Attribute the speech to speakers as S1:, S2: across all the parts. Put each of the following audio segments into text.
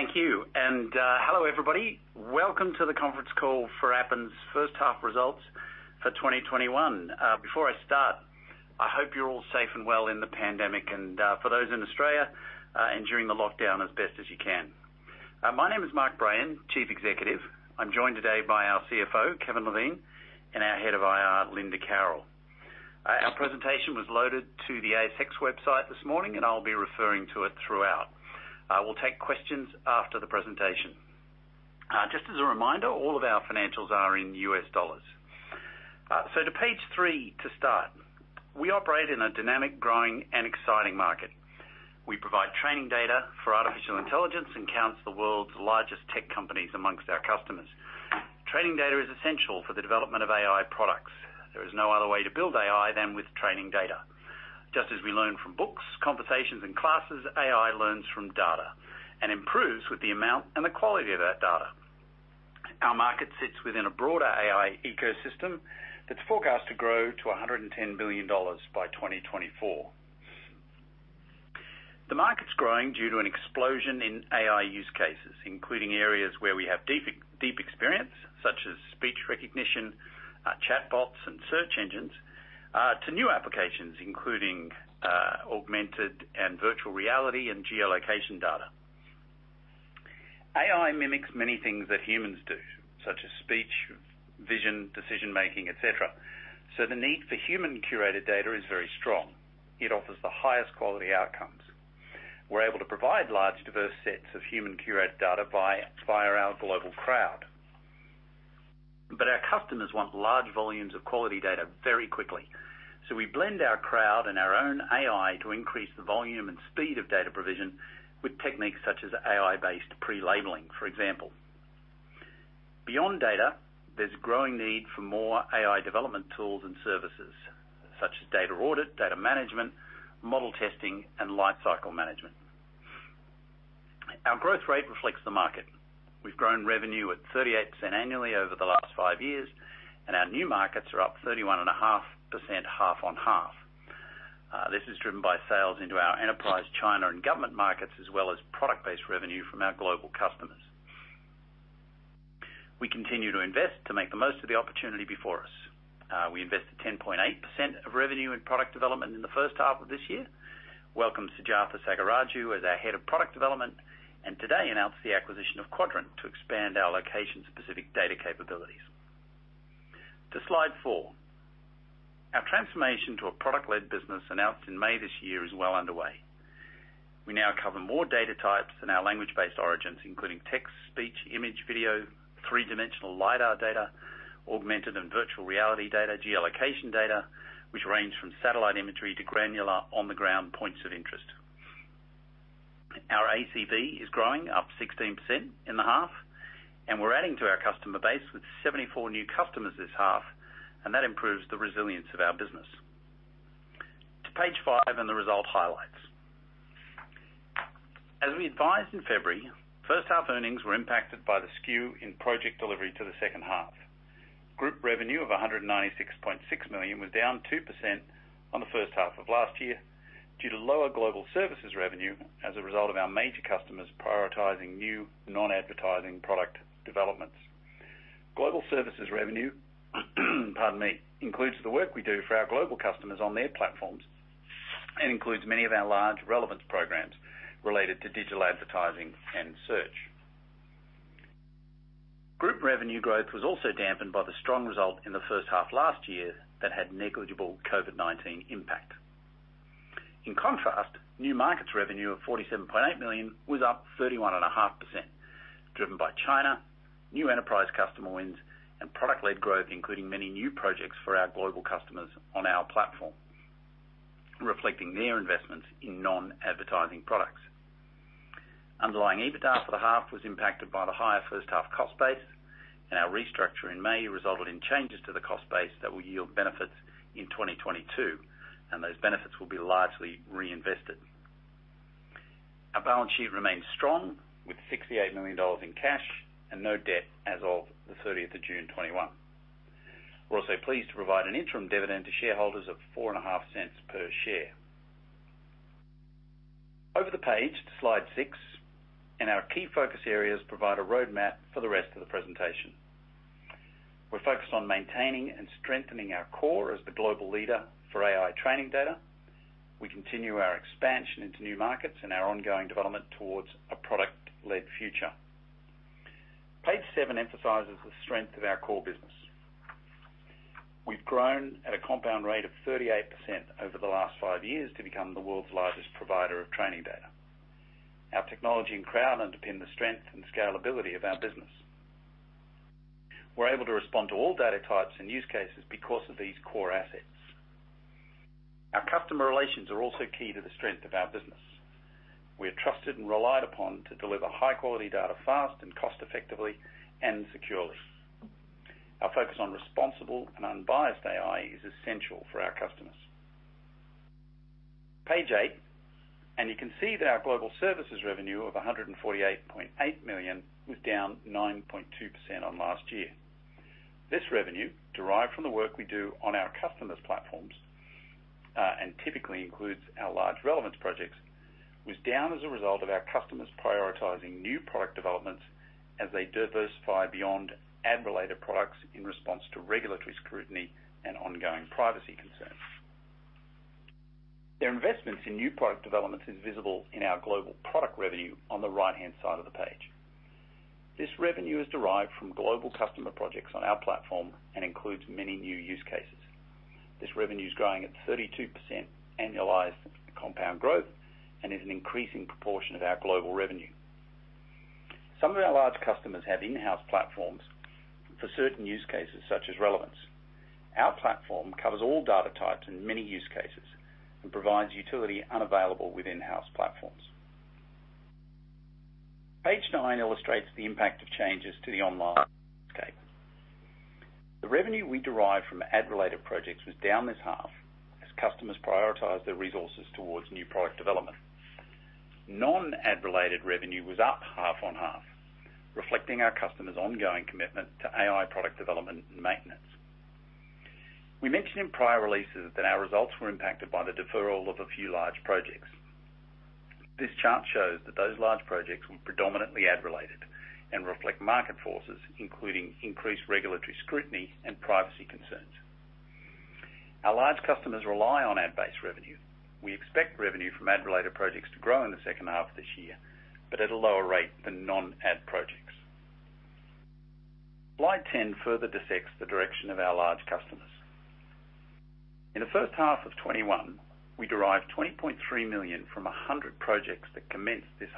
S1: Thank you. Hello, everybody. Welcome to the conference call for Appen's first half results for 2021. Before I start, I hope you're all safe and well in the pandemic and for those in Australia, enduring the lockdown as best as you can. My name is Mark Brayan, chief executive. I'm joined today by our CFO, Kevin Levine, and our head of IR, Linda Carroll. Our presentation was loaded to the ASX website this morning, and I'll be referring to it throughout. We'll take questions after the presentation. Just as a reminder, all of our financials are in US dollars. To page three to start. We operate in a dynamic, growing, and exciting market. We provide training data for artificial intelligence and counts the world's largest tech companies amongst our customers. Training data is essential for the development of AI products. There is no other way to build AI than with training data. Just as we learn from books, conversations, and classes, AI learns from data and improves with the amount and the quality of that data. Our market sits within a broader AI ecosystem that's forecast to grow to $110 billion by 2024. The market's growing due to an explosion in AI use cases, including areas where we have deep experience, such as speech recognition, chatbots, and search engines, to new applications, including augmented and virtual reality and geolocation data. AI mimics many things that humans do, such as speech, vision, decision-making, et cetera. The need for human curated data is very strong. It offers the highest quality outcomes. We're able to provide large, diverse sets of human curated data via our global crowd. Our customers want large volumes of quality data very quickly. We blend our crowd and our own AI to increase the volume and speed of data provision with techniques such as AI-based pre-labeling, for example. Beyond data, there's growing need for more AI development tools and services such as data audit, data management, model testing, and lifecycle management. Our growth rate reflects the market. We've grown revenue at 38% annually over the last five years, and our new markets are up 31.5% half-on-half. This is driven by sales into our enterprise, China, and government markets, as well as product-based revenue from our global customers. We continue to invest to make the most of the opportunity before us. We invested 10.8% of revenue in product development in the first half of this year. Welcomed Sujatha Sagiraju as our head of product development, and today announced the acquisition of Quadrant to expand our location-specific data capabilities. To slide four. Our transformation to a product-led business announced in May this year is well underway. We now cover more data types in our language-based origins, including text, speech, image, video, three-dimensional lidar data, augmented and virtual reality data, geolocation data, which range from satellite imagery to granular on-the-ground points of interest. Our ACV is growing up 16% in the half, and we're adding to our customer base with 74 new customers this half, and that improves the resilience of our business. To page five and the result highlights. As we advised in February, first half earnings were impacted by the skew in project delivery to the second half. Group revenue of $196.6 million was down 2% on the first half of last year due to lower global services revenue as a result of our major customers prioritizing new non-advertising product developments. Global services revenue pardon me includes the work we do for our global customers on their platforms and includes many of our large relevance programs related to digital advertising and search. Group revenue growth was also dampened by the strong result in the first half last year that had negligible COVID-19 impact. In contrast, new markets revenue of $47.8 million was up 31.5%, driven by China, new enterprise customer wins, and product-led growth, including many new projects for our global customers on our platform, reflecting their investments in non-advertising products. Underlying EBITDA for the half was impacted by the higher first half cost base, and our restructure in May resulted in changes to the cost base that will yield benefits in 2022, and those benefits will be largely reinvested. Our balance sheet remains strong with $68 million in cash and no debt as of the 30th of June 2021. We're also pleased to provide an interim dividend to shareholders of $4.50 per share. Over the page to slide 6, Our key focus areas provide a roadmap for the rest of the presentation. We're focused on maintaining and strengthening our core as the global leader for AI training data. We continue our expansion into new markets and our ongoing development towards a product-led future. Page seven emphasizes the strength of our core business. We've grown at a compound rate of 38% over the last five years to become the world's largest provider of training data. Our technology and crowd underpin the strength and scalability of our business. We're able to respond to all data types and use cases because of these core assets. Our customer relations are also key to the strength of our business. We are trusted and relied upon to deliver high-quality data fast and cost effectively and securely. Our focus on Responsible AI is essential for our customers. Page eight, you can see that our global services revenue of $148.8 million was down 9.2% on last year. This revenue, derived from the work we do on our customers' platforms and typically includes our large relevance projects, was down as a result of our customers prioritizing new product developments as they diversify beyond ad-related products in response to regulatory scrutiny and ongoing privacy concerns. Their investments in new product developments is visible in our global product revenue on the right-hand side of the page. This revenue is derived from global customer projects on our platform and includes many new use cases. This revenue's growing at 32% annualized compound growth and is an increasing proportion of our global revenue. Some of our large customers have in-house platforms for certain use cases such as relevance. Our platform covers all data types and many use cases and provides utility unavailable with in-house platforms. Page nine illustrates the impact of changes to the online landscape. The revenue we derived from ad-related projects was down this half as customers prioritized their resources towards new product development. Non-ad related revenue was up half-on-half, reflecting our customers' ongoing commitment to AI product development and maintenance. We mentioned in prior releases that our results were impacted by the deferral of a few large projects. This chart shows that those large projects were predominantly ad related and reflect market forces, including increased regulatory scrutiny and privacy concerns. Our large customers rely on ad base revenue. We expect revenue from ad-related projects to grow in the second half of this year, but at a lower rate than non-ad projects. Slide 10 further dissects the direction of our large customers. In the first half of 2021, we derived $20.3 million from 100 projects that commenced this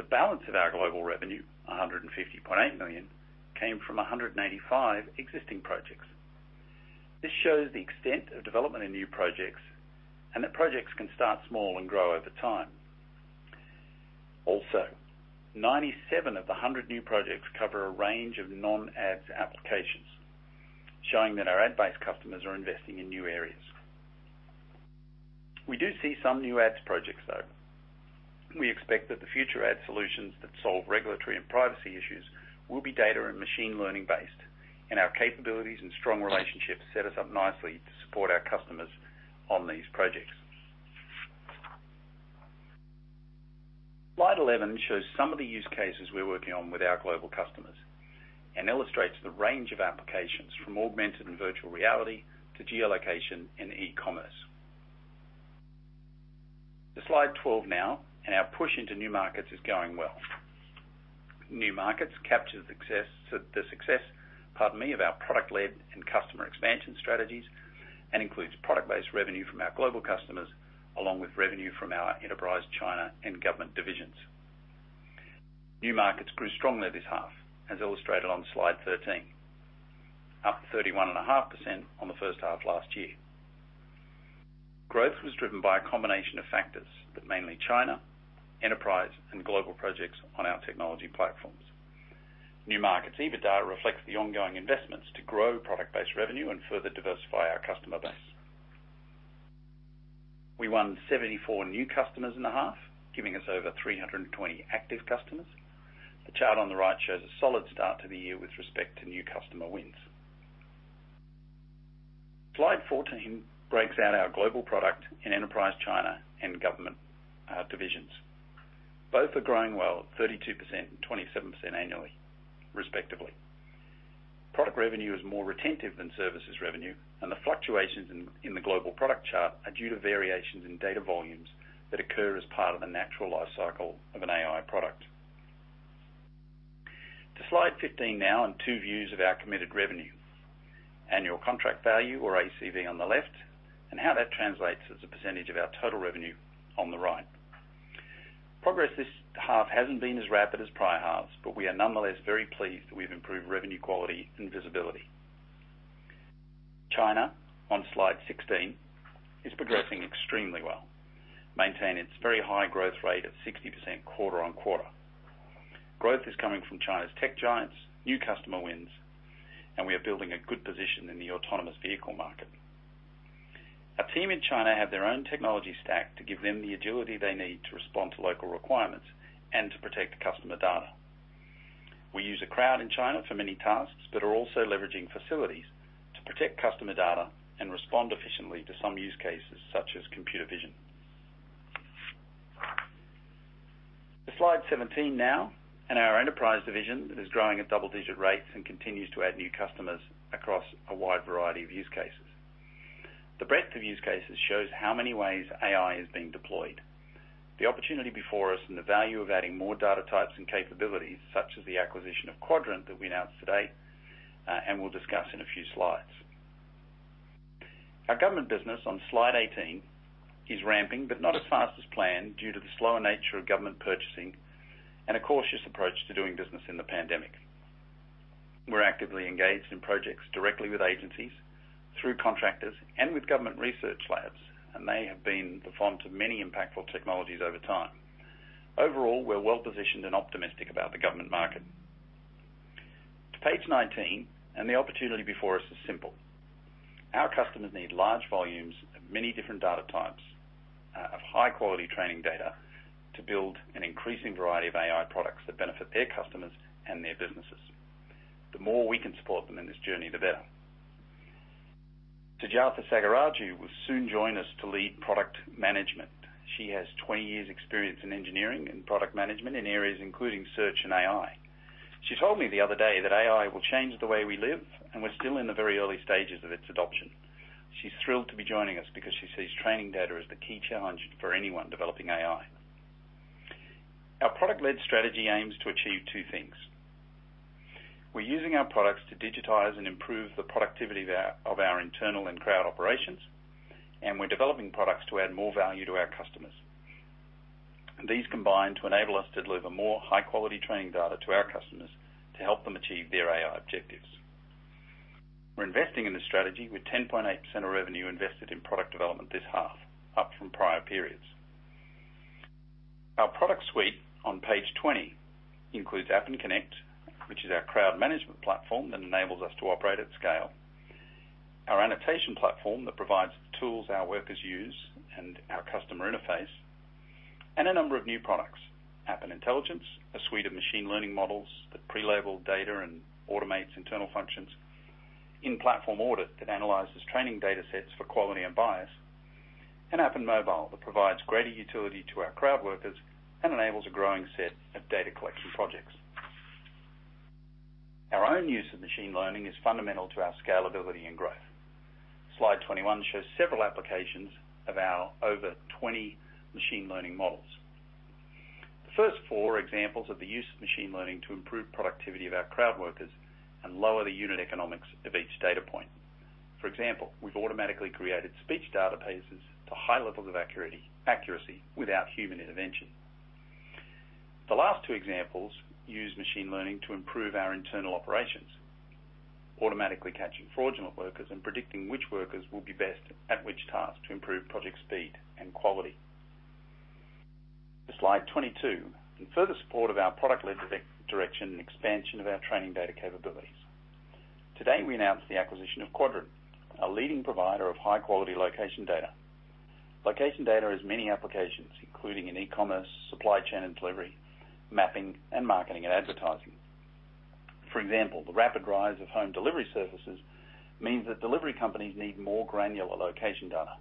S1: half. The balance of our global revenue, $150.8 million, came from 185 existing projects. This shows the extent of development in new projects and that projects can start small and grow over time. Also 97 of the 100 new projects cover a range of non-ad applications, showing that our ad-based customers are investing in new areas. We do see some new ad projects, though. We expect that the future AI solutions that solve regulatory and privacy issues will be data and machine learning based, and our capabilities and strong relationships set us up nicely to support our customers on these projects. Slide 11 shows some of the use cases we're working on with our global customers and illustrates the range of applications from augmented and virtual reality to geolocation and e-commerce. To slide 12 now, and our push into new markets is going well. New markets capture the success, pardon me, of our product-led and customer expansion strategies and includes product-based revenue from our global customers, along with revenue from our enterprise China and government divisions. New markets grew strongly this half, as illustrated on slide 13. Up 31.5% on the first half of last year. Growth was driven by a combination of factors, but mainly China, enterprise, and global projects on our technology platforms. New markets EBITDA reflects the ongoing investments to grow product-based revenue and further diversify our customer base. We won 74 new customers in the half, giving us over 320 active customers. The chart on the right shows a solid start to the year with respect to new customer wins. Slide 14 breaks out our global product in enterprise China and government divisions. Both are growing well at 32% and 27% annually, respectively. Product revenue is more retentive than services revenue, and the fluctuations in the global product chart are due to variations in data volumes that occur as part of the natural life cycle of an AI product. To slide 15 now and two views of our committed revenue, annual contract value or ACV on the left, and how that translates as a percentage of our total revenue on the right. Progress this half hasn't been as rapid as prior halves, but we are nonetheless very pleased that we've improved revenue quality and visibility. China, on slide 16, is progressing extremely well. Maintaining its very high growth rate of 60% quarter-on-quarter. Growth is coming from China's tech giants, new customer wins, and we are building a good position in the autonomous vehicle market. Our team in China have their own technology stack to give them the agility they need to respond to local requirements and to protect customer data. We use a crowd in China for many tasks, but are also leveraging facilities to protect customer data and respond efficiently to some use cases such as computer vision. To slide 17 now and our enterprise division that is growing at double-digit rates and continues to add new customers across a wide variety of use cases. The breadth of use cases shows how many ways AI is being deployed. The opportunity before us and the value of adding more data types and capabilities such as the acquisition of Quadrant that we announced today, and we'll discuss in a few slides. Our government business on slide 18 is ramping, but not as fast as planned due to the slower nature of government purchasing and a cautious approach to doing business in the pandemic. We're actively engaged in projects directly with agencies, through contractors, and with government research labs. They have been the font of many impactful technologies over time. Overall, we're well positioned and optimistic about the government market. To page 19. The opportunity before us is simple. Our customers need large volumes of many different data types of high quality training data to build an increasing variety of AI products that benefit their customers and their businesses. The more we can support them in this journey, the better. Sujatha Sagiraju will soon join us to lead product management. She has 20 years experience in engineering and product management in areas including search and AI. She told me the other day that AI will change the way we live. We're still in the very early stages of its adoption. She's thrilled to be joining us because she sees training data as the key challenge for anyone developing AI. Our product-led strategy aims to achieve two things. We're using our products to digitize and improve the productivity of our internal and crowd operations, and we're developing products to add more value to our customers. These combine to enable us to deliver more high-quality training data to our customers to help them achieve their AI objectives. We're investing in this strategy with 10.8% of revenue invested in product development this half, up from prior periods. Our product suite on page 20 includes Appen Connect, which is our crowd management platform that enables us to operate at scale. Our annotation platform that provides tools our workers use and our customer interface, and a number of new products. Appen Intelligence, a suite of machine learning models that pre-label data and automates internal functions. In-Platform Audit that analyzes training data sets for quality and bias, Appen Mobile that provides greater utility to our crowd workers and enables a growing set of data collection projects. Our own use of machine learning is fundamental to our scalability and growth. Slide 21 shows several applications of our over 20 machine learning models. The first four are examples of the use of machine learning to improve productivity of our crowd workers and lower the unit economics of each data point. For example, we've automatically created speech databases to high levels of accuracy without human intervention. The last two examples use machine learning to improve our internal operations, automatically catching fraudulent workers and predicting which workers will be best at which task to improve project speed and quality. To Slide 22, in further support of our product-led direction and expansion of our training data capabilities. Today, we announced the acquisition of Quadrant, a leading provider of high-quality location data. Location data has many applications, including in e-commerce, supply chain and delivery, mapping, and marketing and advertising. For example, the rapid rise of home delivery services means that delivery companies need more granular location data.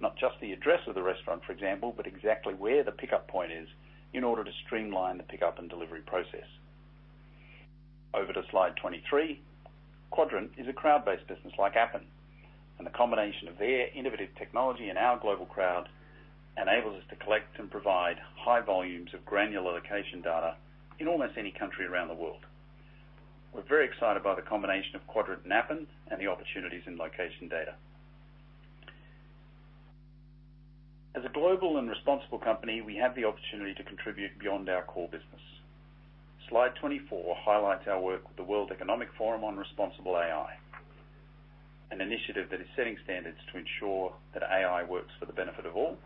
S1: Not just the address of the restaurant, for example, but exactly where the pickup point is in order to streamline the pickup and delivery process. Over to slide 23. The combination of their innovative technology and our global crowd enables us to collect and provide high volumes of granular location data in almost any country around the world. We're very excited by the combination of Quadrant and Appen and the opportunities in location data. As a global and responsible company, we have the opportunity to contribute beyond our core business. Slide 24 highlights our work with the World Economic Forum on Responsible AI, an initiative that is setting standards to ensure that AI works for the benefit of all,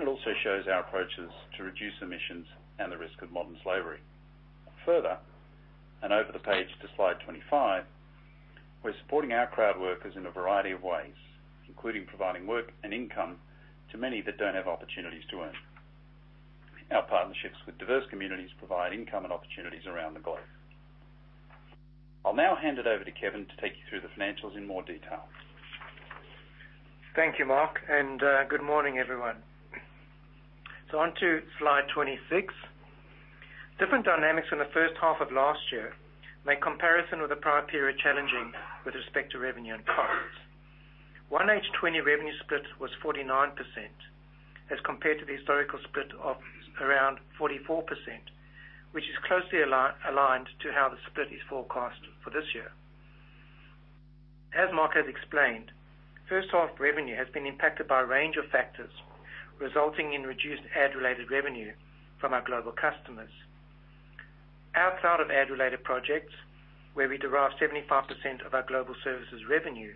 S1: it also shows our approaches to reduce emissions and the risk of modern slavery. Further, over the page to slide 25, we're supporting our crowd workers in a variety of ways, including providing work and income to many that don't have opportunities to earn. Our partnerships with diverse communities provide income and opportunities around the globe. I'll now hand it over to Kevin to take you through the financials in more detail.
S2: Thank you, Mark. Good morning, everyone. On to slide 26. Different dynamics from the first half of last year make comparison with the prior period challenging with respect to revenue and costs. 1H 2020 revenue split was 49% as compared to the historical split of around 44%, which is closely aligned to how the split is forecast for this year. As Mark has explained, first half revenue has been impacted by a range of factors, resulting in reduced ad-related revenue from our global customers. Our cloud and ad-related projects, where we derive 75% of our global services revenue,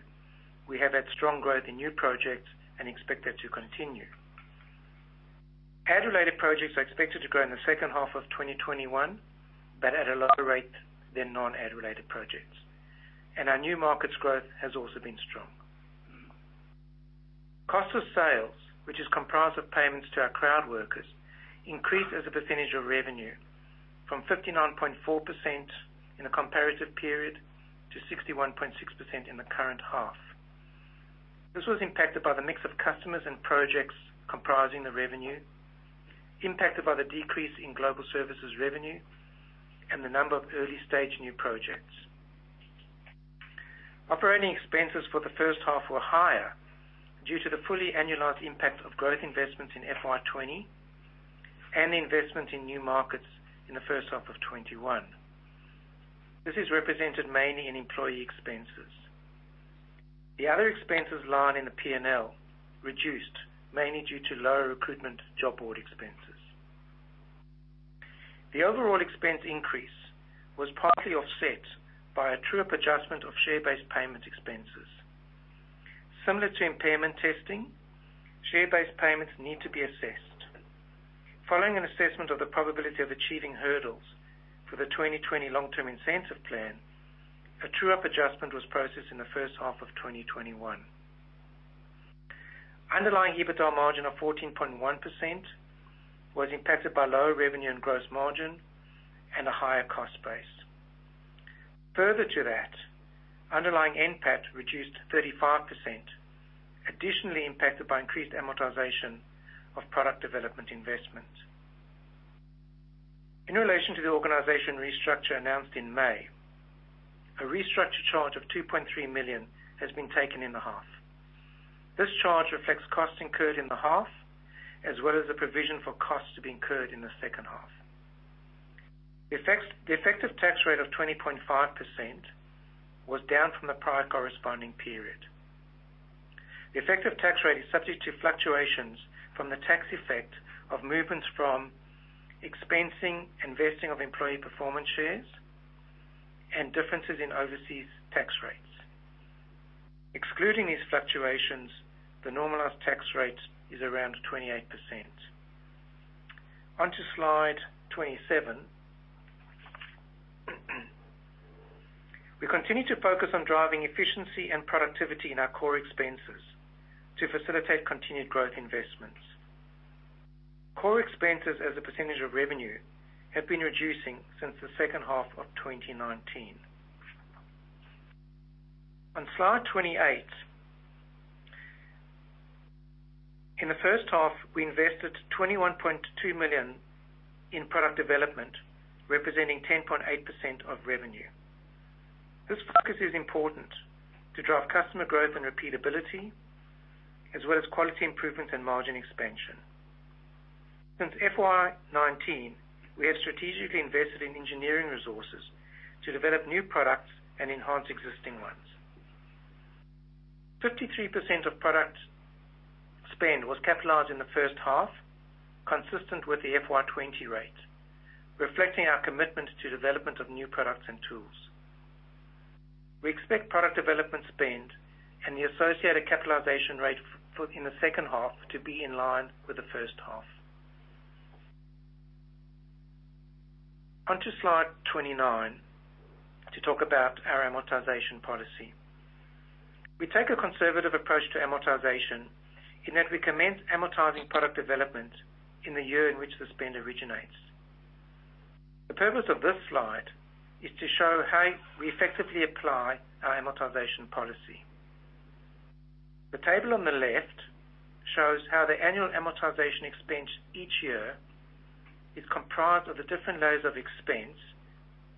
S2: we have had strong growth in new projects and expect that to continue. Ad-related projects are expected to grow in the second half of 2021, but at a lower rate than non-ad-related projects. Our new market's growth has also been strong. Cost of sales, which is comprised of payments to our crowd workers, increased as a percentage of revenue from 59.4% in the comparative period to 61.6% in the current half. This was impacted by the mix of customers and projects comprising the revenue impacted by the decrease in global services revenue and the number of early-stage new projects. Operating expenses for the first half were higher due to the fully annualized impact of growth investments in FY 2020 and the investment in new markets in the first half of 2021. This is represented mainly in employee expenses. The other expenses line in the P&L reduced mainly due to lower recruitment job board expenses. The overall expense increase was partly offset by a true-up adjustment of share-based payment expenses. Similar to impairment testing, share-based payments need to be assessed. Following an assessment of the probability of achieving hurdles for the 2020 long-term incentive plan, a true-up adjustment was processed in the first half of 2021. Underlying EBITDA margin of 14.1% was impacted by lower revenue and gross margin and a higher cost base. Further to that, underlying NPAT reduced 35%, additionally impacted by increased amortization of product development investments. In relation to the organization restructure announced in May, a restructure charge of $2.3 million has been taken in the half. This charge reflects costs incurred in the half, as well as the provision for costs to be incurred in the second half. The effective tax rate of 20.5% was down from the prior corresponding period. The effective tax rate is subject to fluctuations from the tax effect of movements from expensing, investing of employee performance shares, and differences in overseas tax rates. Excluding these fluctuations, the normalized tax rate is around 28%. On to slide 27. We continue to focus on driving efficiency and productivity in our core expenses to facilitate continued growth investments. Core expenses as a percentage of revenue have been reducing since the second half of 2019. On slide 28. In the first half, we invested $21.2 million in product development, representing 10.8% of revenue. This focus is important to drive customer growth and repeatability, as well as quality improvement and margin expansion. Since FY 2019, we have strategically invested in engineering resources to develop new products and enhance existing ones. 53% of product spend was capitalized in the first half, consistent with the FY 2020 rate, reflecting our commitment to development of new products and tools. We expect product development spend and the associated capitalization rate in the second half to be in line with the first half. On to slide 29 to talk about our amortization policy. We take a conservative approach to amortization in that we commence amortizing product development in the year in which the spend originates. The purpose of this slide is to show how we effectively apply our amortization policy. The table on the left shows how the annual amortization expense each year is comprised of the different layers of expense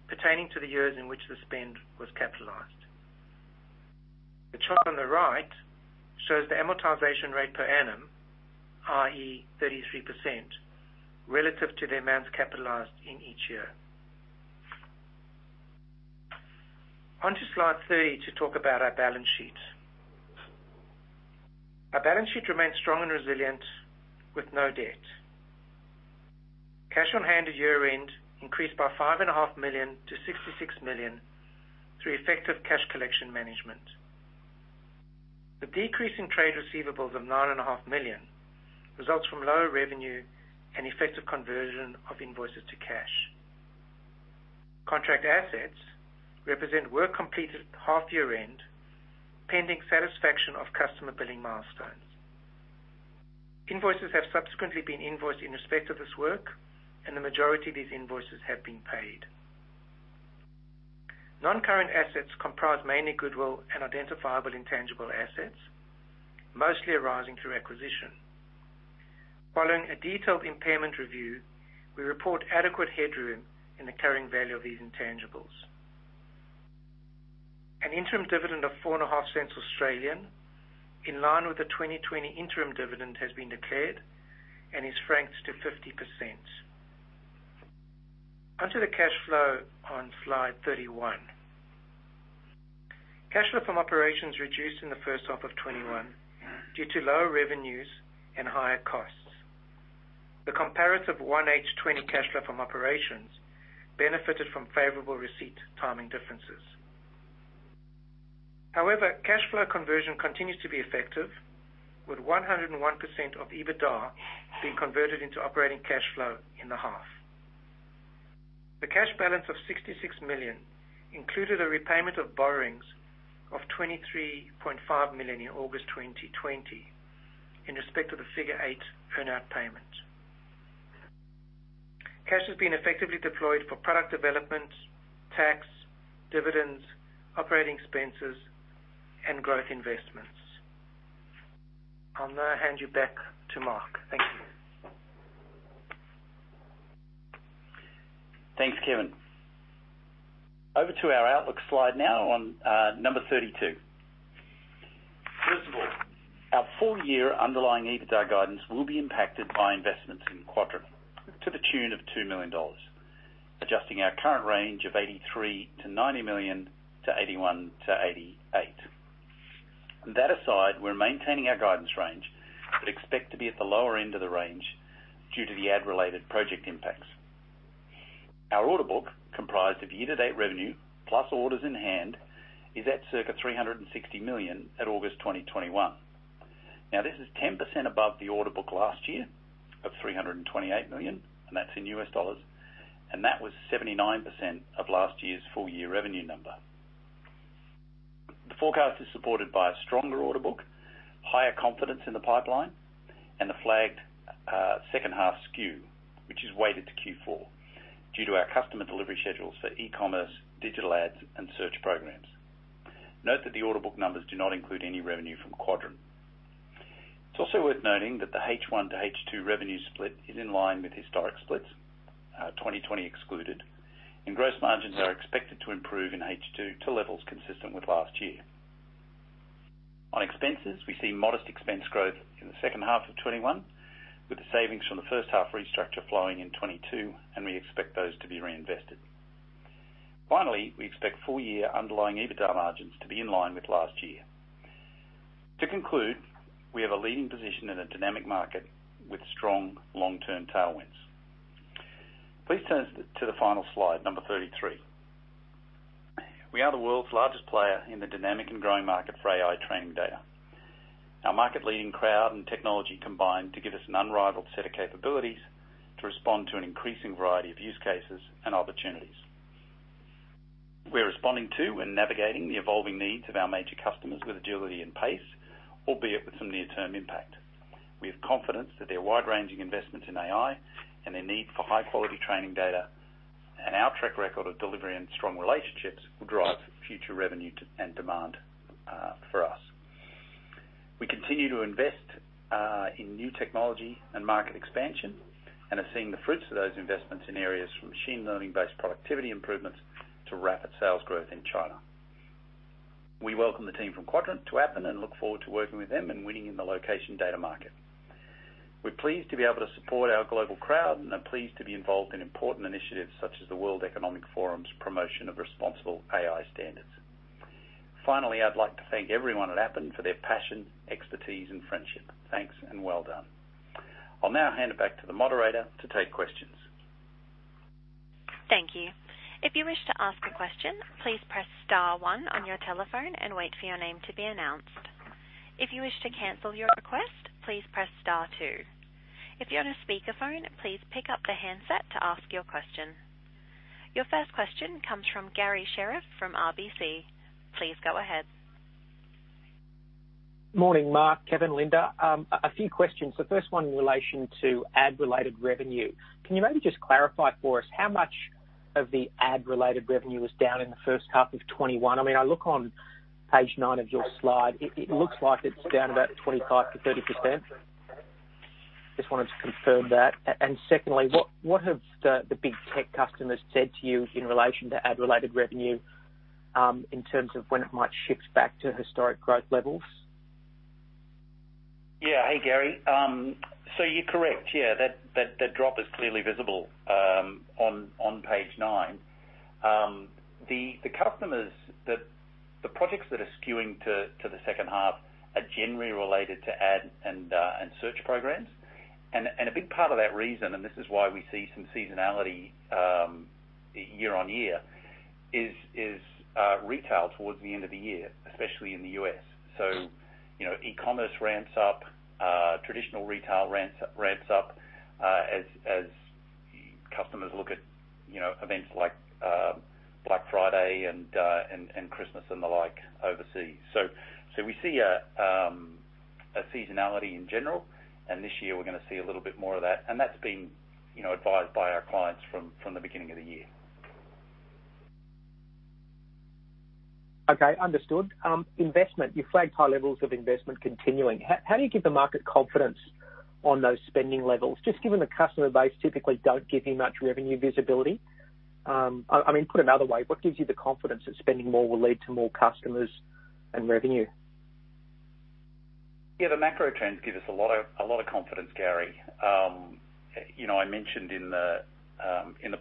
S2: pertaining to the years in which the spend was capitalized. The chart on the right shows the amortization rate per annum, i.e., 33%, relative to the amounts capitalized in each year. On to slide 30 to talk about our balance sheet. Our balance sheet remains strong and resilient with no debt. Cash on hand at year-end increased by $5.5 million-$66 million through effective cash collection management. The decrease in trade receivables of $9.5 million results from lower revenue and effective conversion of invoices to cash. Contract assets represent work completed at half-year end, pending satisfaction of customer billing milestones. Invoices have subsequently been invoiced in respect of this work, and the majority of these invoices have been paid. Non-current assets comprise mainly goodwill and identifiable intangible assets, mostly arising through acquisition. Following a detailed impairment review, we report adequate headroom in the carrying value of these intangibles. An interim dividend of 0.045, in line with the 2020 interim dividend, has been declared and is franked to 50%. On to the cash flow on slide 31. Cash flow from operations reduced in the first half of 2021 due to lower revenues and higher costs. The comparative 1H 2020 cash flow from operations benefited from favorable receipt timing differences. However, cash flow conversion continues to be effective, with 101% of EBITDA being converted into operating cash flow in the half. The cash balance of $66 million included a repayment of borrowings of $23.5 million in August 2020 in respect of the Figure Eight earn-out payment. Cash has been effectively deployed for product development, tax, dividends, operating expenses, and growth investments. I'll now hand you back to Mark. Thank you.
S1: Thanks, Kevin. Over to our outlook slide now on number 32. First of all, our full-year underlying EBITDA guidance will be impacted by investments in Quadrant to the tune of $2 million, adjusting our current range of $83 million to $90 million to $81 million to $88 million. That aside, we're maintaining our guidance range, but expect to be at the lower end of the range due to the ad-related project impacts. Our order book, comprised of year-to-date revenue plus orders in hand, is at circa $360 million at August 2021. Now, this is 10% above the order book last year of $328 million, and that's in US dollars, and that was 79% of last year's full-year revenue number. The forecast is supported by a stronger order book, higher confidence in the pipeline, and the flagged second-half skew, which is weighted to Q4 due to our customer delivery schedules for e-commerce, digital ads, and search programs. Note that the order book numbers do not include any revenue from Quadrant. It's also worth noting that the H1 to H2 revenue split is in line with historic splits, 2020 excluded, and gross margins are expected to improve in H2 to levels consistent with last year. On expenses, we see modest expense growth in the second-half of 2021, with the savings from the first-half restructure flowing in 2022, and we expect those to be reinvested. Finally, we expect full year underlying EBITDA margins to be in line with last year. To conclude, we have a leading position in a dynamic market with strong long-term tailwinds. Please turn to the final slide, number 33. We are the world's largest player in the dynamic and growing market for AI training data. Our market leading crowd and technology combine to give us an unrivaled set of capabilities to respond to an increasing variety of use cases and opportunities. We're responding to and navigating the evolving needs of our major customers with agility and pace, albeit with some near-term impact. We have confidence that their wide-ranging investment in AI and their need for high-quality training data, and our track record of delivery and strong relationships will drive future revenue and demand for us. We continue to invest in new technology and market expansion and are seeing the fruits of those investments in areas from machine learning-based productivity improvements to rapid sales growth in China. We welcome the team from Quadrant to Appen and look forward to working with them and winning in the location data market. We're pleased to be able to support our global crowd and are pleased to be involved in important initiatives such as the World Economic Forum's promotion of Responsible AI standards. Finally, I'd like to thank everyone at Appen for their passion, expertise, and friendship. Thanks and well done. I'll now hand it back to the moderator to take questions.
S3: Thank you. If you wish to ask a question, please press star one on your telephone and wait for your name to be announced. If you wish to cancel your request, please press star two. If you're on a speakerphone, please pick up the handset to ask your question. Your first question comes from Garry Sherriff from RBC. Please go ahead.
S4: Morning, Mark, Kevin, Linda. A few questions. The first one in relation to ad-related revenue. Can you maybe just clarify for us how much of the ad-related revenue was down in the first half of 2021? I look on page nine of your slide. It looks like it's down about 25%-30%. Just wanted to confirm that. Secondly, what have the big tech customers said to you in relation to ad-related revenue, in terms of when it might shift back to historic growth levels?
S1: Yeah. Hey, Garry. You're correct, yeah. That drop is clearly visible on page nine. The projects that are skewing to the second half are generally related to ad and search programs. A big part of that reason, and this is why we see some seasonality year-on-year, is retail towards the end of the year, especially in the U.S. E-commerce ramps up, traditional retail ramps up as customers look at events like Black Friday and Christmas and the like overseas. We see a seasonality in general, and this year we're going to see a little bit more of that. That's been advised by our clients from the beginning of the year.
S4: Okay. Understood. Investment. You flagged high levels of investment continuing. How do you give the market confidence on those spending levels? Just given the customer base typically don't give you much revenue visibility. Put another way, what gives you the confidence that spending more will lead to more customers and revenue?
S1: Yeah. The macro trends give us a lot of confidence, Garry. I mentioned in the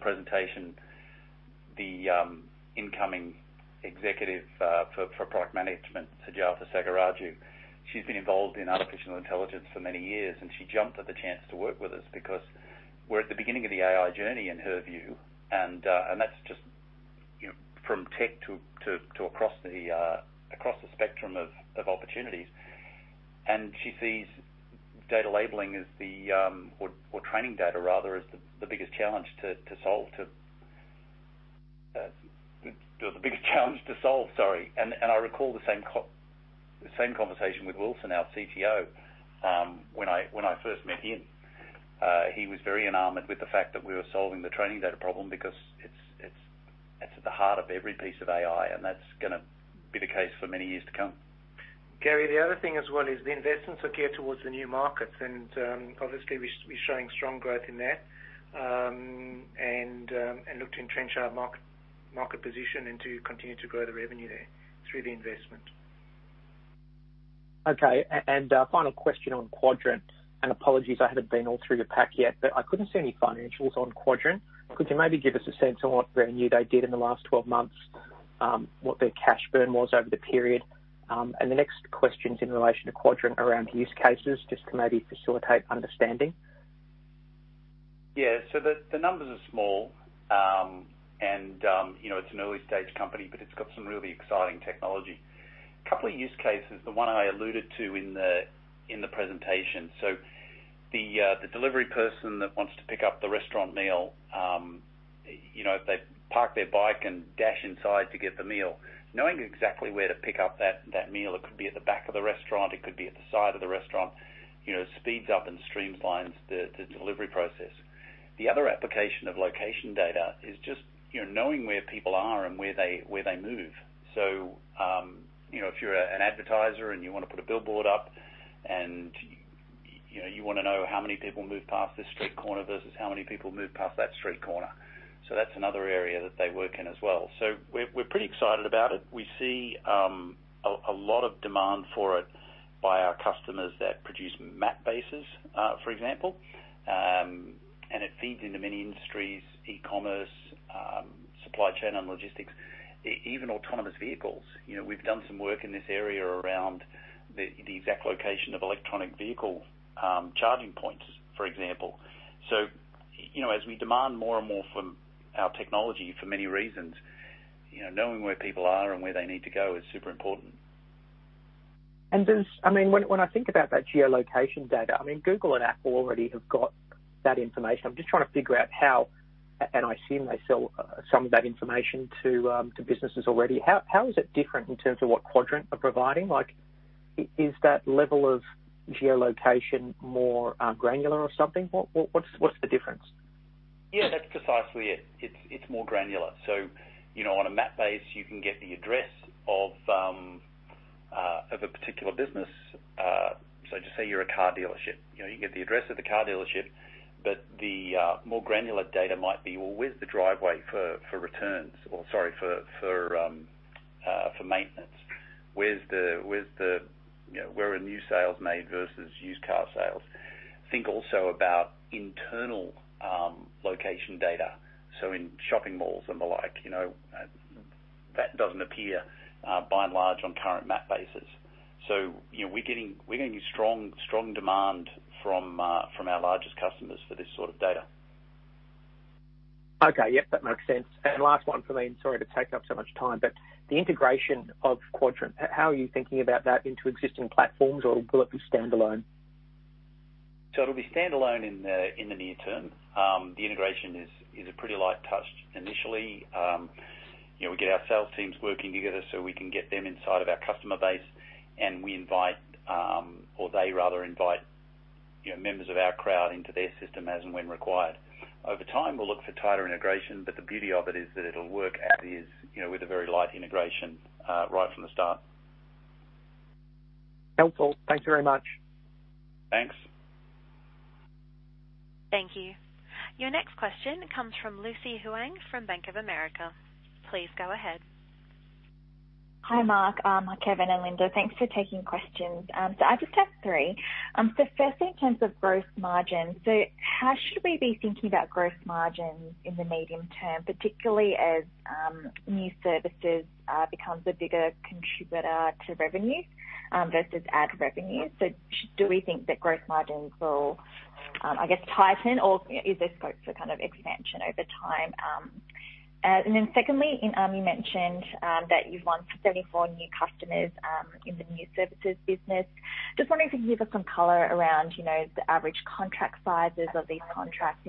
S1: presentation the incoming executive for product management, Sujatha Sagiraju. She's been involved in artificial intelligence for many years, and she jumped at the chance to work with us because we're at the beginning of the AI journey in her view. And that's just from tech to across the spectrum of opportunities. And she sees data labeling as the, or training data rather, as the biggest challenge to solve, sorry. And I recall the same conversation with Wilson, our CTO, when I first met him. He was very enamored with the fact that we were solving the training data problem because it's at the heart of every piece of AI, and that's going to be the case for many years to come.
S2: Garry, the other thing as well is the investments are geared towards the new markets, and obviously we're showing strong growth in there, and look to entrench our market position and to continue to grow the revenue there through the investment.
S4: Okay. Final question on Quadrant. Apologies, I haven't been all through the pack yet, but I couldn't see any financials on Quadrant. Could you maybe give us a sense on what revenue they did in the last 12 months, what their cash burn was over the period? The next question's in relation to Quadrant around use cases, just to maybe facilitate understanding.
S1: Yeah. The numbers are small. It's an early-stage company, but it's got some really exciting technology. A couple of use cases, the one I alluded to in the presentation. The delivery person that wants to pick up the restaurant meal, they park their bike and dash inside to get the meal. Knowing exactly where to pick up that meal, it could be at the back of the restaurant, it could be at the side of the restaurant, speeds up and streamlines the delivery process. The other application of location data is just knowing where people are and where they move. If you're an advertiser and you want to put a billboard up and you want to know how many people move past this street corner versus how many people move past that street corner. That's another area that they work in as well. We're pretty excited about it. We see a lot of demand for it by our customers that produce map bases, for example. It feeds into many industries, e-commerce, supply chain and logistics, even autonomous vehicles. We've done some work in this area around the exact location of electronic vehicle charging points, for example. As we demand more and more from our technology for many reasons, knowing where people are and where they need to go is super important.
S4: When I think about that geolocation data, Google and Apple already have got that information. I'm just trying to figure out how, and I assume they sell some of that information to businesses already. How is it different in terms of what Quadrant are providing? Is that level of geolocation more granular or something? What's the difference?
S1: Yeah, that's precisely it. It's more granular. On a map base, you can get the address of a particular business. Just say you're a car dealership. You get the address of the car dealership, the more granular data might be, well, where's the driveway for returns? Sorry, for maintenance. Where are new sales made versus used car sales? Think also about internal location data. In shopping malls and the like. That doesn't appear by and large on current map bases. We're getting strong demand from our largest customers for this sort of data.
S4: Okay. Yep. That makes sense. Last one from me, and sorry to take up so much time, but the integration of Quadrant, how are you thinking about that into existing platforms or will it be standalone?
S1: It'll be standalone in the near term. The integration is a pretty light touch initially. We get our sales teams working together so we can get them inside of our customer base and we invite, or they rather invite members of our crowd into their system as and when required. Over time, we'll look for tighter integration, but the beauty of it is that it'll work as is with a very light integration right from the start.
S4: Helpful. Thanks very much.
S1: Thanks.
S3: Thank you. Your next question comes from Lucy Huang from Bank of America. Please go ahead.
S5: Hi, Mark, Kevin, and Linda. Thanks for taking questions. I just have three. First in terms of gross margin. How should we be thinking about gross margins in the medium term, particularly as new services becomes a bigger contributor to revenue versus ad revenue? Do we think that gross margins will tighten or is there scope for kind of expansion over time? Secondly, you mentioned that you've won 34 new customers in the new services business. Just wondering if you can give us some color around the average contract sizes of these contracts.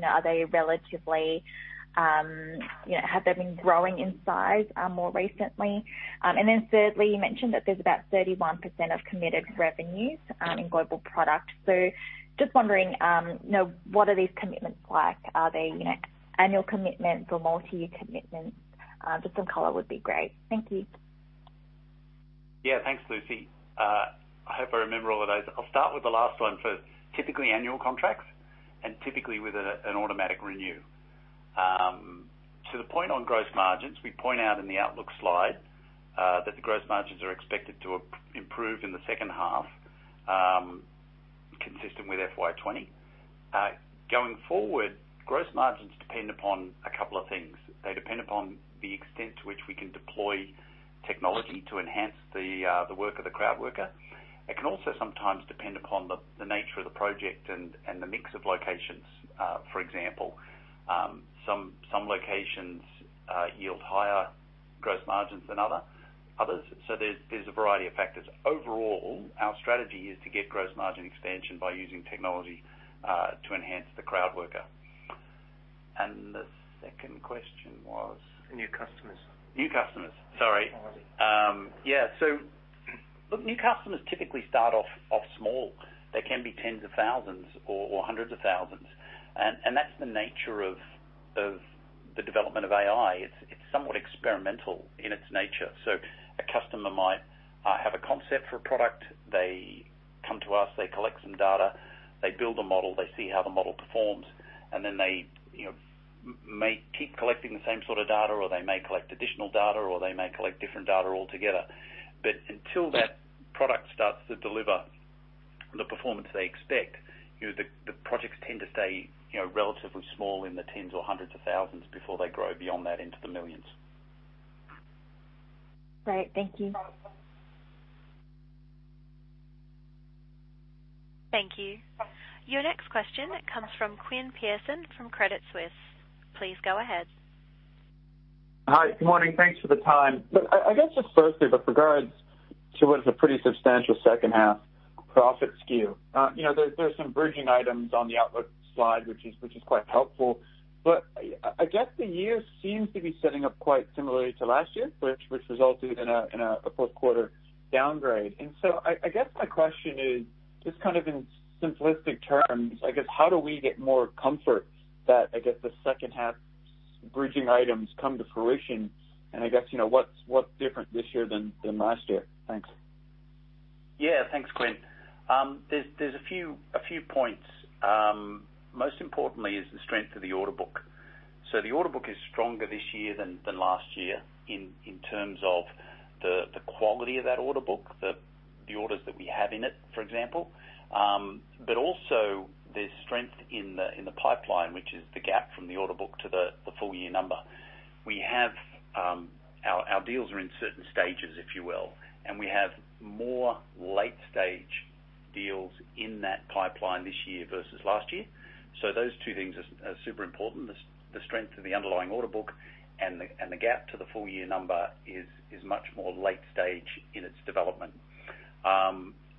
S5: Have they been growing in size more recently? Thirdly, you mentioned that there's about 31% of committed revenues in global product. Just wondering, what are these commitments like? Are they annual commitments or multi-year commitments? Just some color would be great. Thank you.
S1: Yeah. Thanks, Lucy. I hope I remember all of those. I'll start with the last one first. Typically annual contracts and typically with an automatic renew. To the point on gross margins, we point out in the outlook slide that the gross margins are expected to improve in the second half, consistent with FY 2020. Going forward, gross margins depend upon a couple of things. They depend upon the extent to which we can deploy technology to enhance the work of the crowd worker. It can also sometimes depend upon the nature of the project and the mix of locations. For example, some locations yield higher gross margins than others. There's a variety of factors. Overall, our strategy is to get gross margin expansion by using technology to enhance the crowd worker. The second question was? New customers. Sorry. Oh, right. Yeah. Look, new customers typically start off small. They can be tens of thousands or hundreds of thousands. That's the nature of the development of AI. It's somewhat experimental in its nature. A customer might have a concept for a product. They come to us, they collect some data, they build a model, they see how the model performs, they may keep collecting the same sort of data, or they may collect additional data, or they may collect different data altogether. Until that product starts to deliver the performance they expect, the projects tend to stay relatively small in the tens or hundreds of thousands before they grow beyond that into the millions.
S5: Great. Thank you.
S3: Thank you. Your next question comes from Quinn Pearson from Credit Suisse. Please go ahead.
S6: Hi. Good morning. Thanks for the time. I guess just firstly, with regards to what is a pretty substantial second half profit skew. There's some bridging items on the outlook slide, which is quite helpful, but I guess the year seems to be setting up quite similarly to last year, which resulted in a fourth quarter downgrade. I guess my question is just kind of in simplistic terms, I guess, how do we get more comfort that, I guess the second half bridging items come to fruition and I guess, what's different this year than last year? Thanks.
S1: Thanks, Quinn. There's a few points. Most importantly is the strength of the order book. The order book is stronger this year than last year in terms of the quality of that order book, the orders that we have in it, for example. Also there's strength in the pipeline, which is the gap from the order book to the full year number. Our deals are in certain stages, if you will, and we have more late stage deals in that pipeline this year versus last year. Those two things are super important. The strength of the underlying order book and the gap to the full year number is much more late stage in its development.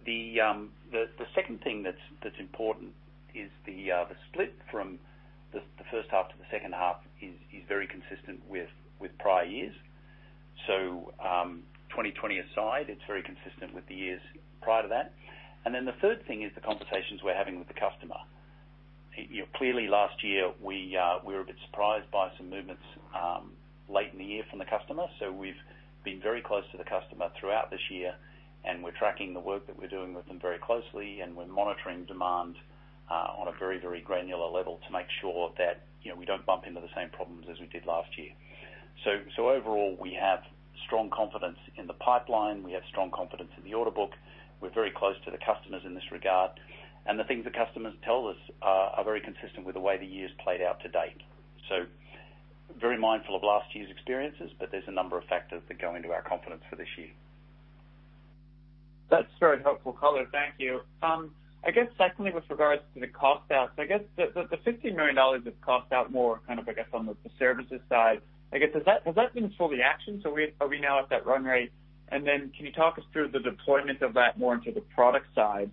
S1: The second thing that's important is the split from the first half to the second half is very consistent with prior years. 2020 aside, it's very consistent with the years prior to that. The third thing is the conversations we're having with the customer. Clearly last year we were a bit surprised by some movements late in the year from the customer. We've been very close to the customer throughout this year, and we're tracking the work that we're doing with them very closely, and we're monitoring demand on a very, very granular level to make sure that we don't bump into the same problems as we did last year. Overall, we have strong confidence in the pipeline. We have strong confidence in the order book. We're very close to the customers in this regard. The things the customers tell us are very consistent with the way the year's played out to date. Very mindful of last year's experiences, but there's a number of factors that go into our confidence for this year.
S6: That's very helpful, Colin. Thank you. Secondly, with regards to the cost out, the $15 million of cost out more kind of on the services side, has that been fully actioned? Are we now at that run rate? Can you talk us through the deployment of that more into the product side?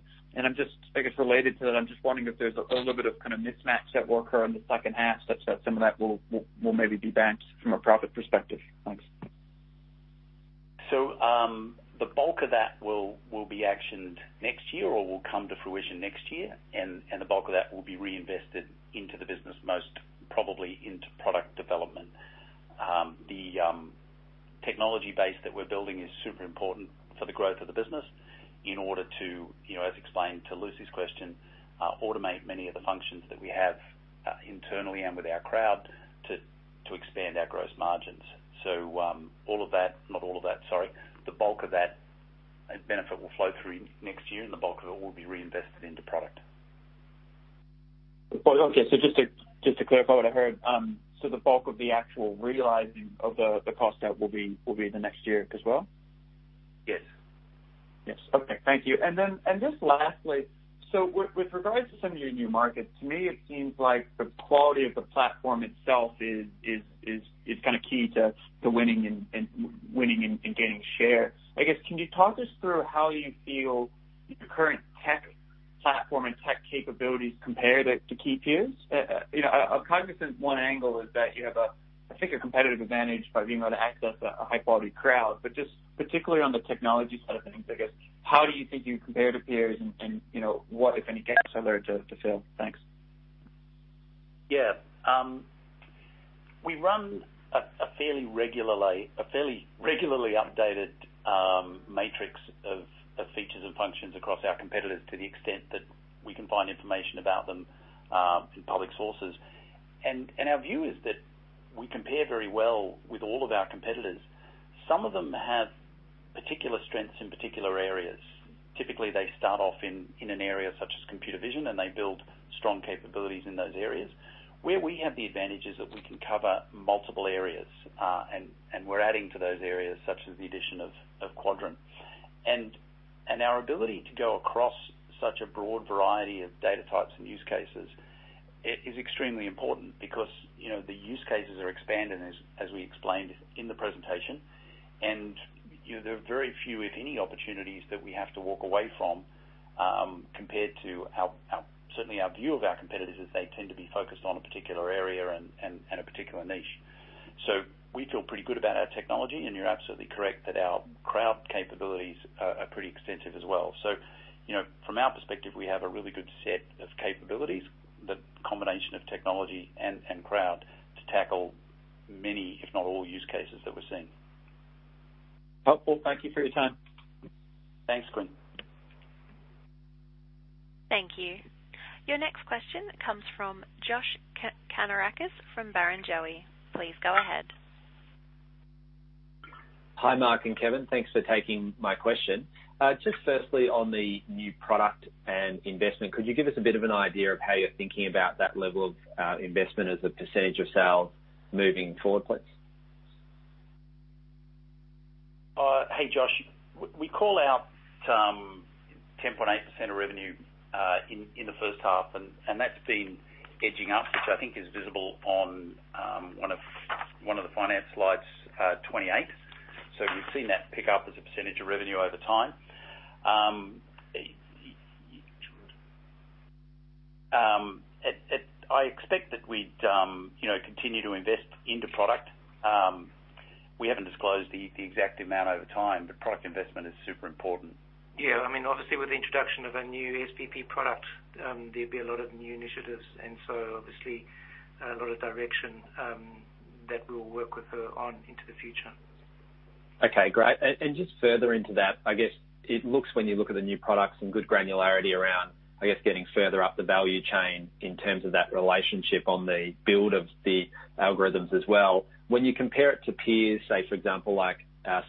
S6: Related to that, I'm just wondering if there's a little bit of kind of mismatch that will occur in the second half such that some of that will maybe be backed from a profit perspective. Thanks.
S1: The bulk of that will be actioned next year or will come to fruition next year. The bulk of that will be reinvested into the business, most probably into product development. The technology base that we're building is super important for the growth of the business in order to, as explained to Lucy's question, automate many of the functions that we have internally and with our crowd to expand our gross margins. All of that, not all of that, sorry, the bulk of that benefit will flow through next year and the bulk of it will be reinvested into product.
S6: Okay, just to clarify what I heard. The bulk of the actual realizing of the cost out will be the next year as well?
S1: Yes.
S6: Yes. Okay. Thank you. With regards to some of your new markets, to me, it seems like the quality of the platform itself is kind of key to winning and gaining share. I guess, can you talk us through how you feel your current tech platform and tech capabilities compare to key peers? I'm cognizant one angle is that you have, I think, a competitive advantage by being able to access a high-quality crowd, just particularly on the technology side of things, I guess, how do you think you compare to peers and what, if any, gaps are there to fill? Thanks.
S1: Yeah. We run a fairly regularly updated matrix of features and functions across our competitors to the extent that we can find information about them in public sources. Our view is that we compare very well with all of our competitors. Some of them have particular strengths in particular areas. Typically, they start off in an area such as computer vision, and they build strong capabilities in those areas. Where we have the advantage is that we can cover multiple areas, and we're adding to those areas such as the addition of Quadrant. Our ability to go across such a broad variety of data types and use cases is extremely important because the use cases are expanding as we explained in the presentation. There are very few, if any, opportunities that we have to walk away from, compared to certainly our view of our competitors, is they tend to be focused on a particular area and a particular niche. We feel pretty good about our technology, and you're absolutely correct that our crowd capabilities are pretty extensive as well. From our perspective, we have a really good set of capabilities, the combination of technology and crowd to tackle many, if not all, use cases that we're seeing.
S6: Helpful. Thank you for your time.
S1: Thanks, Quinn.
S3: Thank you. Your next question comes from Josh Kannourakis from Barrenjoey. Please go ahead.
S7: Hi, Mark and Kevin. Thanks for taking my question. Just firstly on the new product and investment, could you give us a bit of an idea of how you're thinking about that level of investment as a percentage of sales moving forward, please?
S1: Hey, Josh. We call out 10.8% of revenue in the first half, and that's been edging up, which I think is visible on one of the finance slides, 28. We've seen that pick up as a percentage of revenue over time. I expect that we'd continue to invest into product. We haven't disclosed the exact amount over time, but product investment is super important.
S2: Yeah. Obviously, with the introduction of a new SPP product, there'd be a lot of new initiatives and so obviously a lot of direction that we'll work with her on into the future.
S7: Okay, great. Just further into that, I guess it looks, when you look at the new products, some good granularity around, I guess, getting further up the value chain in terms of that relationship on the build of the algorithms as well. When you compare it to peers, say, for example, like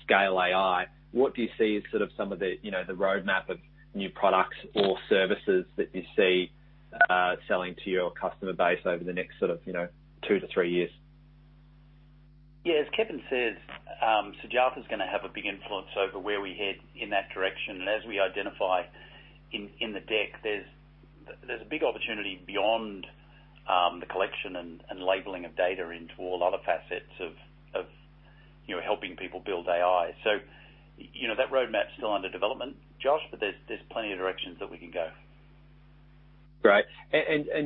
S7: Scale AI, what do you see as some of the roadmap of new products or services that you see selling to your customer base over the next two to three years?
S1: Yeah, as Kevin says, Sujatha's going to have a big influence over where we head in that direction. As we identify in the deck, there's a big opportunity beyond the collection and labeling of data into all other facets of helping people build AI. That roadmap's still under development, Josh, but there's plenty of directions that we can go.
S7: Great.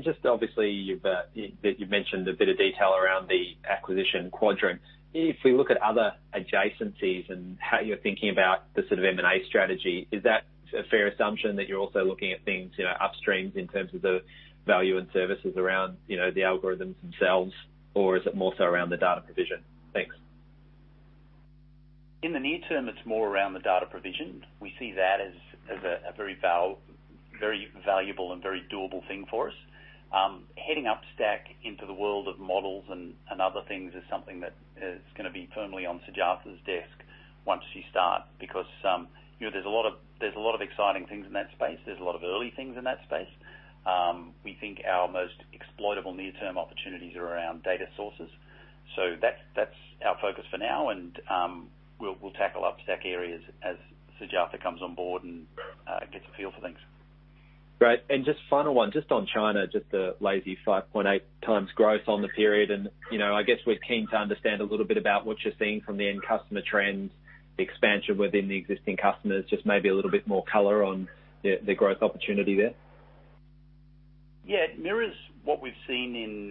S7: Just obviously, you've mentioned a bit of detail around the acquisition Quadrant. If we look at other adjacencies and how you're thinking about the sort of M&A strategy, is that a fair assumption that you're also looking at things upstreams in terms of the value and services around the algorithms themselves, or is it more so around the data provision? Thanks.
S1: In the near term, it's more around the data provision. We see that as a very valuable and very doable thing for us. Heading up stack into the world of models and other things is something that is going to be firmly on Sujatha's desk once she starts, because there's a lot of exciting things in that space. There's a lot of early things in that space. We think our most exploitable near-term opportunities are around data sources. That's our focus for now, and we'll tackle up stack areas as Sujatha comes on board and gets a feel for things.
S7: Great. Just final one, just on China, just the lazy 5.8x growth on the period, and I guess we're keen to understand a little bit about what you're seeing from the end customer trends, the expansion within the existing customers, just maybe a little bit more color on the growth opportunity there.
S1: Yeah. It mirrors what we've seen in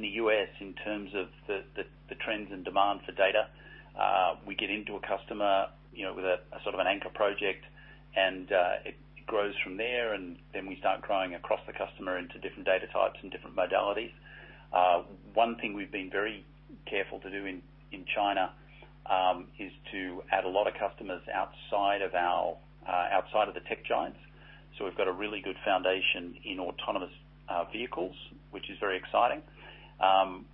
S1: the U.S. in terms of the trends and demand for data. We get into a customer with a sort of an anchor project, and it grows from there, and then we start growing across the customer into different data types and different modalities. One thing we've been very careful to do in China, is to add a lot of customers outside of the tech giants. We've got a really good foundation in autonomous vehicles, which is very exciting.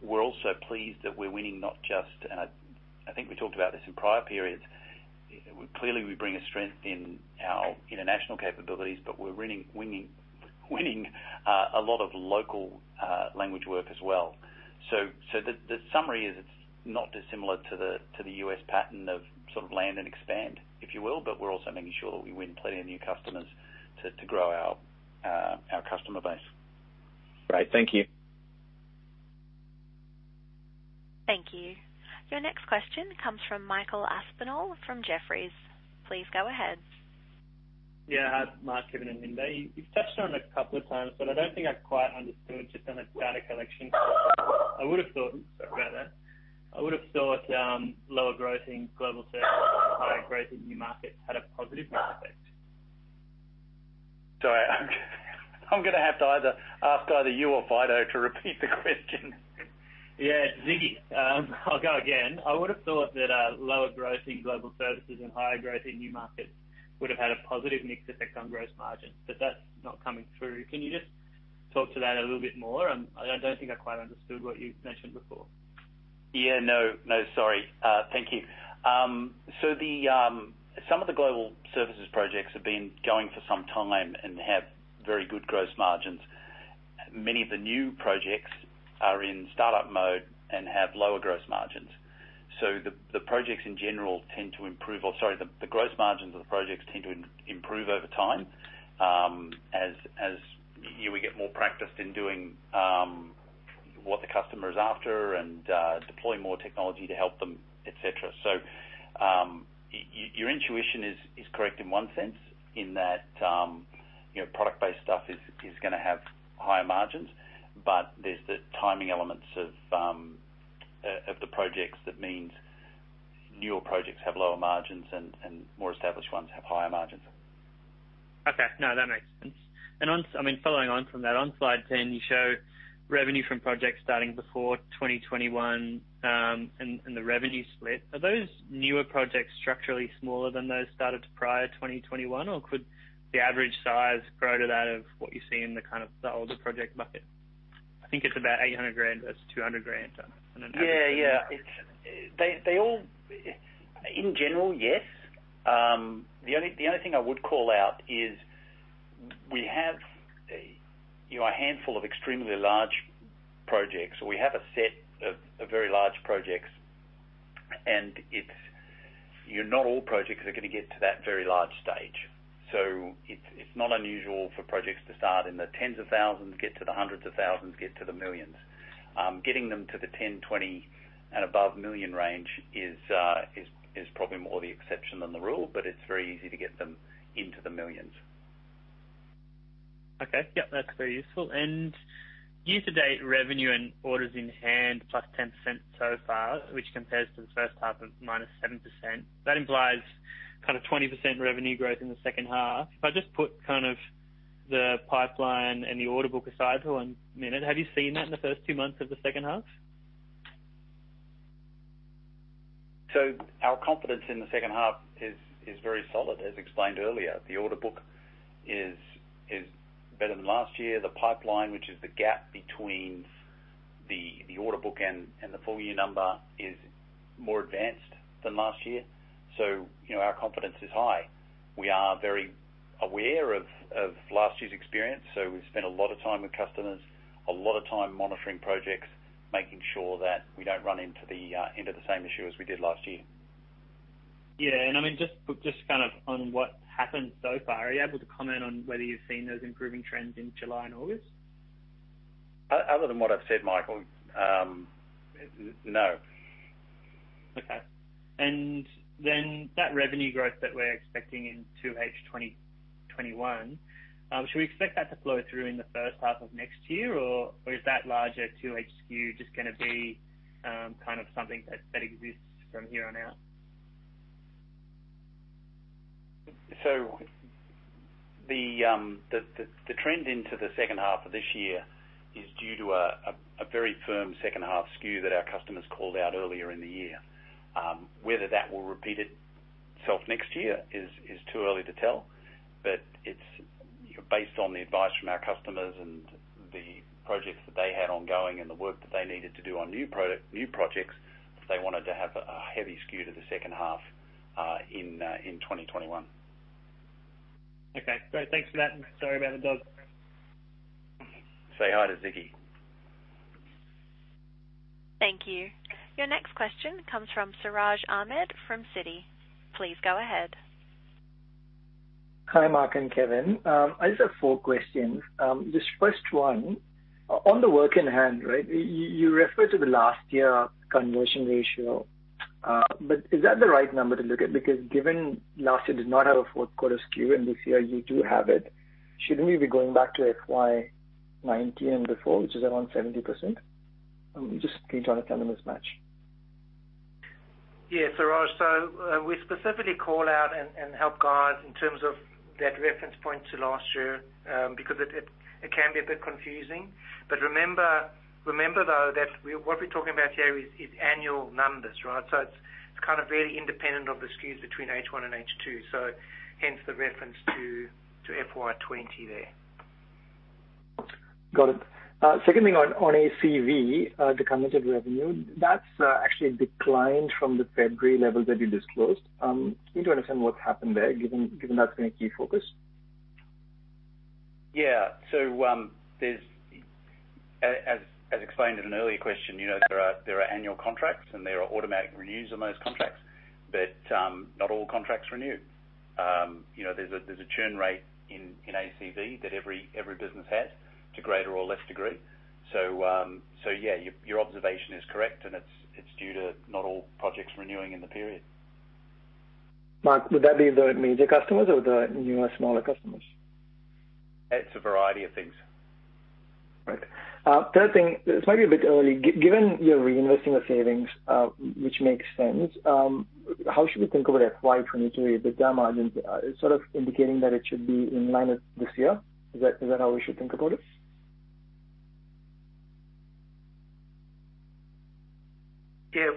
S1: We're also pleased that we're winning. I think we talked about this in prior periods. Clearly, we bring a strength in our international capabilities, but we're winning a lot of local language work as well. The summary is it's not dissimilar to the U.S. pattern of sort of land and expand, if you will, but we're also making sure that we win plenty of new customers to grow our customer base.
S7: Great. Thank you.
S3: Thank you. Your next question comes from Michael Aspinall from Jefferies. Please go ahead.
S8: Yeah. Mike, Kevin and Linda. You've touched on it a couple of times, but I don't think I've quite understood just on the data collection. Sorry about that. I would've thought lower growth in global services and higher growth in new markets had a positive mix effect.
S1: Sorry. I'm gonna have to either ask you or Fido to repeat the question.
S8: Yeah. It's Ziggy. I'll go again. I would've thought that lower growth in global services and higher growth in new markets would have had a positive mix effect on gross margins, but that's not coming through. Can you just talk to that a little bit more? I don't think I quite understood what you mentioned before.
S1: Yeah. No. Sorry. Thank you. Some of the global services projects have been going for some time and have very good gross margins. Many of the new projects are in startup mode and have lower gross margins. The projects in general tend to improve, sorry, the gross margins of the projects tend to improve over time, as we get more practiced in doing what the customer is after and deploying more technology to help them, et cetera. Your intuition is correct in one sense in that product-based stuff is gonna have higher margins, but there's the timing elements of the projects that means newer projects have lower margins and more established ones have higher margins.
S8: Okay. No, that makes sense. Following on from that, on slide 10, you show revenue from projects starting before 2021, and the revenue split. Are those newer projects structurally smaller than those started prior to 2021? Could the average size grow to that of what you see in the older project bucket? I think it's about $800,000 versus $200,000.
S1: Yeah. In general, yes. The only thing I would call out is, you know, a handful of extremely large projects. We have a set of very large projects, and not all projects are going to get to that very large stage. It's not unusual for projects to start in the tens of thousands, get to the hundreds of thousands, get to the millions. Getting them to the $10 million, $20 million, and above million range is probably more the exception than the rule, but it's very easy to get them into the millions.
S8: Okay. Yeah, that's very useful. Year-to-date revenue and orders in hand +10% so far, which compares to the first half of -7%. That implies 20% revenue growth in the second half. If I just put the pipeline and the order book aside for one minute, have you seen that in the first two months of the second half?
S1: Our confidence in the second half is very solid. As explained earlier, the order book is better than last year. The pipeline, which is the gap between the order book and the full-year number, is more advanced than last year. Our confidence is high. We are very aware of last year's experience, so we've spent a lot of time with customers, a lot of time monitoring projects, making sure that we don't run into the same issue as we did last year.
S8: Yeah. I mean, just on what happened so far, are you able to comment on whether you've seen those improving trends in July and August?
S1: Other than what I've said, Michael, no.
S8: Okay. That revenue growth that we're expecting in 2H2021, should we expect that to flow through in the first half of next year? Is that larger 2H skew just going to be something that exists from here on out?
S1: The trend into the second half of this year is due to a very firm second half skew that our customers called out earlier in the year. Whether that will repeat itself next year is too early to tell. It's based on the advice from our customers and the projects that they had ongoing and the work that they needed to do on new projects, they wanted to have a heavy skew to the second half, in 2021.
S8: Okay. Great. Thanks for that, and sorry about the dog.
S1: Say hi to Ziggy.
S3: Thank you. Your next question comes from Siraj Ahmed from Citi. Please go ahead.
S9: Hi, Mark and Kevin. I just have 4 questions. This first one, on the work in hand, you refer to the last year conversion ratio. Is that the right number to look at? Given last year does not have a fourth quarter skew and this year you do have it, shouldn't we be going back to FY 2019 before, which is around 70%? Just can you try to tell the mismatch?
S1: Yeah. Siraj, we specifically call out and help guide in terms of that reference point to last year, because it can be a bit confusing. Remember, though, that what we're talking about here is annual numbers. It's kind of very independent of the skews between H1 and H2, hence the reference to FY 2020 there.
S9: Got it. Second thing on ACV, the committed revenue, that's actually declined from the February levels that you disclosed. Can you understand what's happened there, given that's been a key focus?
S1: Yeah. As explained in an earlier question, there are annual contracts and there are automatic renews on those contracts. Not all contracts renew. There's a churn rate in ACV that every business has to a greater or less degree. Yeah, your observation is correct, and it's due to not all projects renewing in the period.
S9: Mark, would that be the major customers or the newer, smaller customers?
S1: It's a variety of things.
S9: Right. Third thing, this might be a bit early. Given you are reinvesting the savings, which makes sense, how should we think about FY 2023, the data margins sort of indicating that it should be in line with this year? Is that how we should think about it?
S2: Yeah.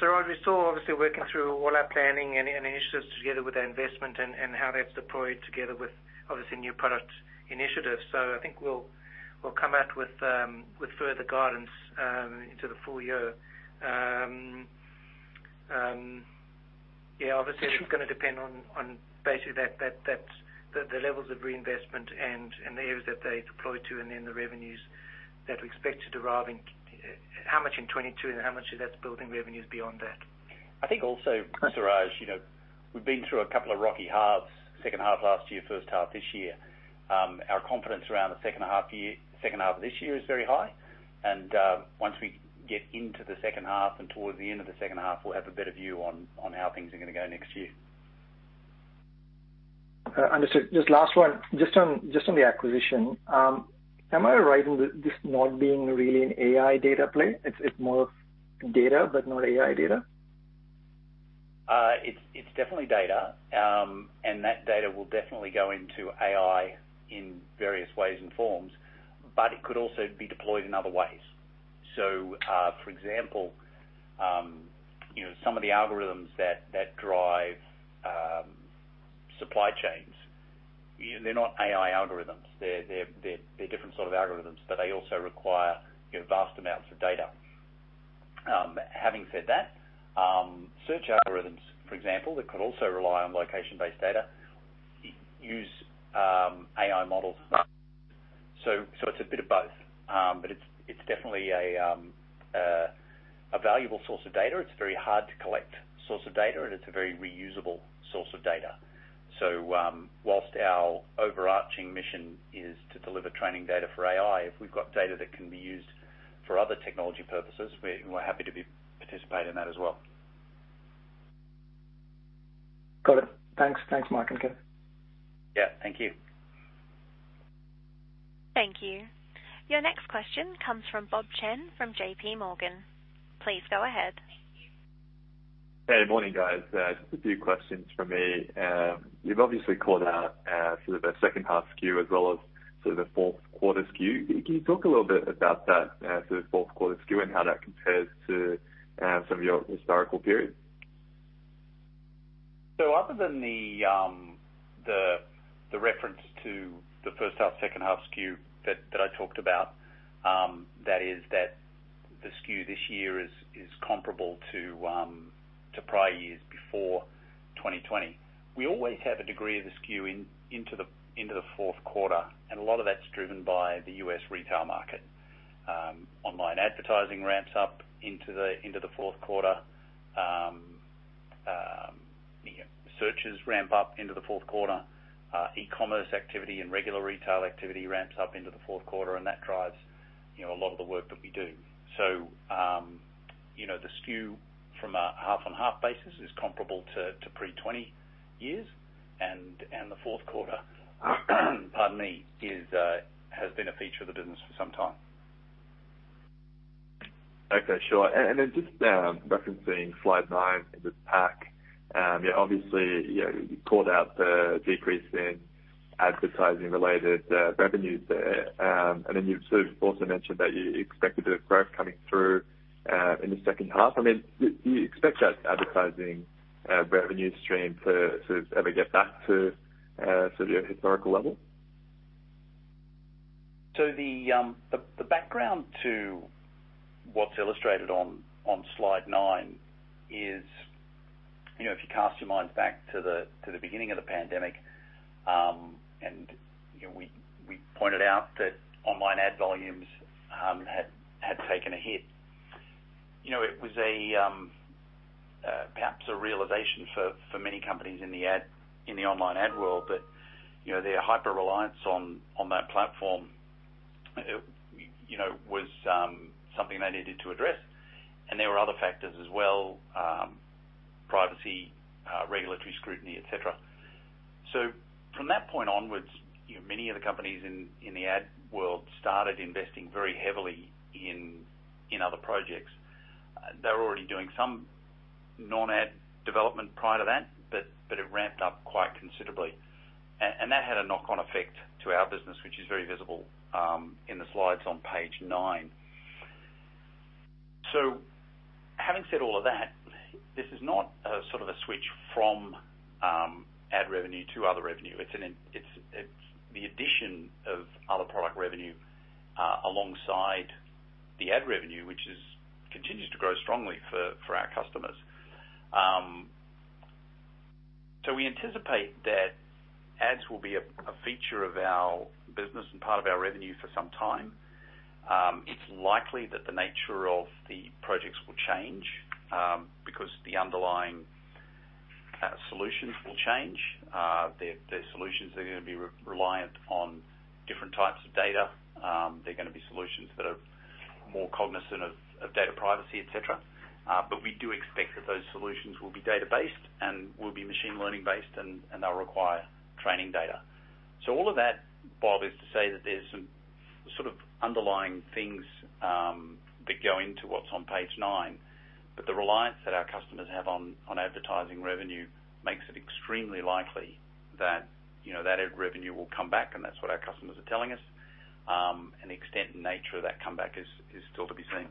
S2: Siraj, we're still obviously working through all our planning and initiatives together with our investment and how that's deployed together with obviously new product initiatives. I think we'll come out with further guidance into the full year. Obviously, it's going to depend on basically the levels of reinvestment and the areas that they deploy to, and then the revenues that we expect to derive and how much in 2022 and how much of that's building revenues beyond that. I think also, Siraj, we've been through a couple of rocky halves, second half of last year, first half this year. Our confidence around the second half of this year is very high, and once we get into the second half and towards the end of the second half, we'll have a better view on how things are going to go next year.
S9: Understood. Just last one. Just on the acquisition. Am I right in this not being really an AI data play? It's more of data, but not AI data?
S1: It's definitely data. That data will definitely go into AI in various ways and forms, but it could also be deployed in other ways. For example, some of the algorithms that drive supply chains, they're not AI algorithms. They're different sort of algorithms, they also require vast amounts of data. Having said that, search algorithms, for example, that could also rely on location-based data use AI models. It's a bit of both. It's definitely a valuable source of data. It's very hard to collect source of data, and it's a very reusable source of data. Whilst our overarching mission is to deliver training data for AI, if we've got data that can be used for other technology purposes, we're happy to participate in that as well.
S9: Got it. Thanks, Mike and Kevin.
S1: Yeah. Thank you.
S3: Thank you. Your next question comes from Bob Chen from JPMorgan. Please go ahead.
S10: Hey. Morning, guys. Just a few questions from me. You've obviously called out sort of the second half skew as well as sort of the fourth quarter skew. Can you talk a little bit about that sort of fourth quarter skew and how that compares to some of your historical periods?
S1: Other than the reference to the first half, second half skew that I talked about, that is that the skew this year is comparable to prior years before 2020. We always have a degree of the skew into the fourth quarter, and a lot of that's driven by the U.S. retail market. Online advertising ramps up into the fourth quarter. Searches ramp up into the fourth quarter. E-commerce activity and regular retail activity ramps up into the fourth quarter, and that drives a lot of the work that we do. The skew from a half-on-half basis is comparable to pre-2020 years. The fourth quarter pardon me, has been a feature of the business for some time.
S10: Okay, sure. Just referencing slide nine in the pack. Obviously, you called out the decrease in advertising-related revenues there. You sort of also mentioned that you expected a bit of growth coming through in the second half. Do you expect that advertising revenue stream to ever get back to sort of your historical level?
S1: The background to what's illustrated on slide nine is, if you cast your minds back to the beginning of the pandemic, we pointed out that online ad volumes had taken a hit. It was perhaps a realization for many companies in the online ad world that their hyper-reliance on that platform was something they needed to address. There were other factors as well, privacy, regulatory scrutiny, et cetera. From that point onwards, many of the companies in the ad world started investing very heavily in other projects. They were already doing some non-ad development prior to that, but it ramped up quite considerably. That had a knock-on effect to our business, which is very visible in the slides on page nine. Having said all of that, this is not a sort of a switch from ad revenue to other revenue. It's the addition of other product revenue alongside the ad revenue, which continues to grow strongly for our customers. We anticipate that ads will be a feature of our business and part of our revenue for some time. It's likely that the nature of the projects will change because the underlying solutions will change. Their solutions are going to be reliant on different types of data. They're going to be solutions that are more cognizant of data privacy, et cetera. We do expect that those solutions will be data-based and will be machine learning based, and they'll require training data. All of that, Bob, is to say that there's some sort of underlying things that go into what's on page nine. The reliance that our customers have on advertising revenue makes it extremely likely that ad revenue will come back, and that's what our customers are telling us. The extent and nature of that comeback is still to be seen.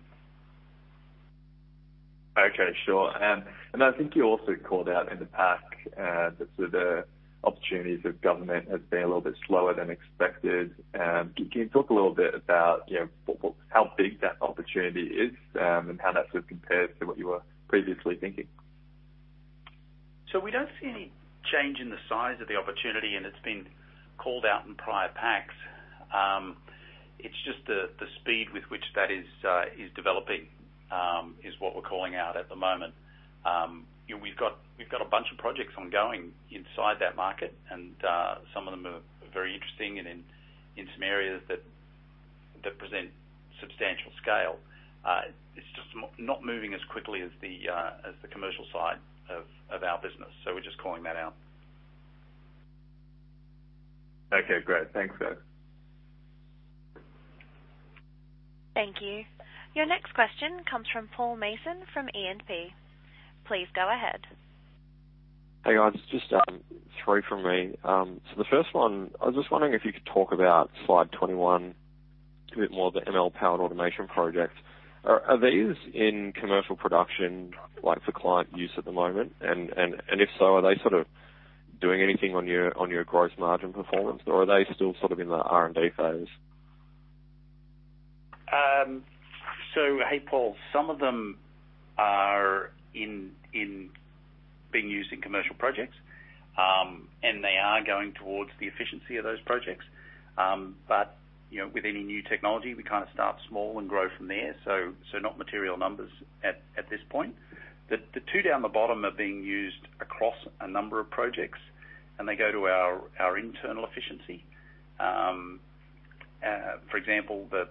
S10: Okay, sure. I think you also called out in the pack that the opportunities with government have been a little bit slower than expected. Can you talk a little bit about how big that opportunity is, and how that sort of compares to what you were previously thinking?
S1: We don't see any change in the size of the opportunity. It's been called out in prior packs. It's just the speed with which that is developing, is what we're calling out at the moment. We've got a bunch of projects ongoing inside that market. Some of them are very interesting and in some areas that present substantial scale. It's just not moving as quickly as the commercial side of our business. We're just calling that out.
S10: Okay, great. Thanks.
S3: Thank you. Your next question comes from Paul Mason from E&P. Please go ahead.
S11: Hey, guys, just three from me. The first one, I was just wondering if you could talk about slide 21 a bit more, the ML-powered automation projects. Are these in commercial production, like for client use at the moment? If so, are they sort of doing anything on your gross margin performance, or are they still sort of in the R&D phase?
S1: Hey, Paul, some of them are being used in commercial projects, and they are going towards the efficiency of those projects. With any new technology, we start small and grow from there. Not material numbers at this point. The two down the bottom are being used across a number of projects, and they go to our internal efficiency. For example, the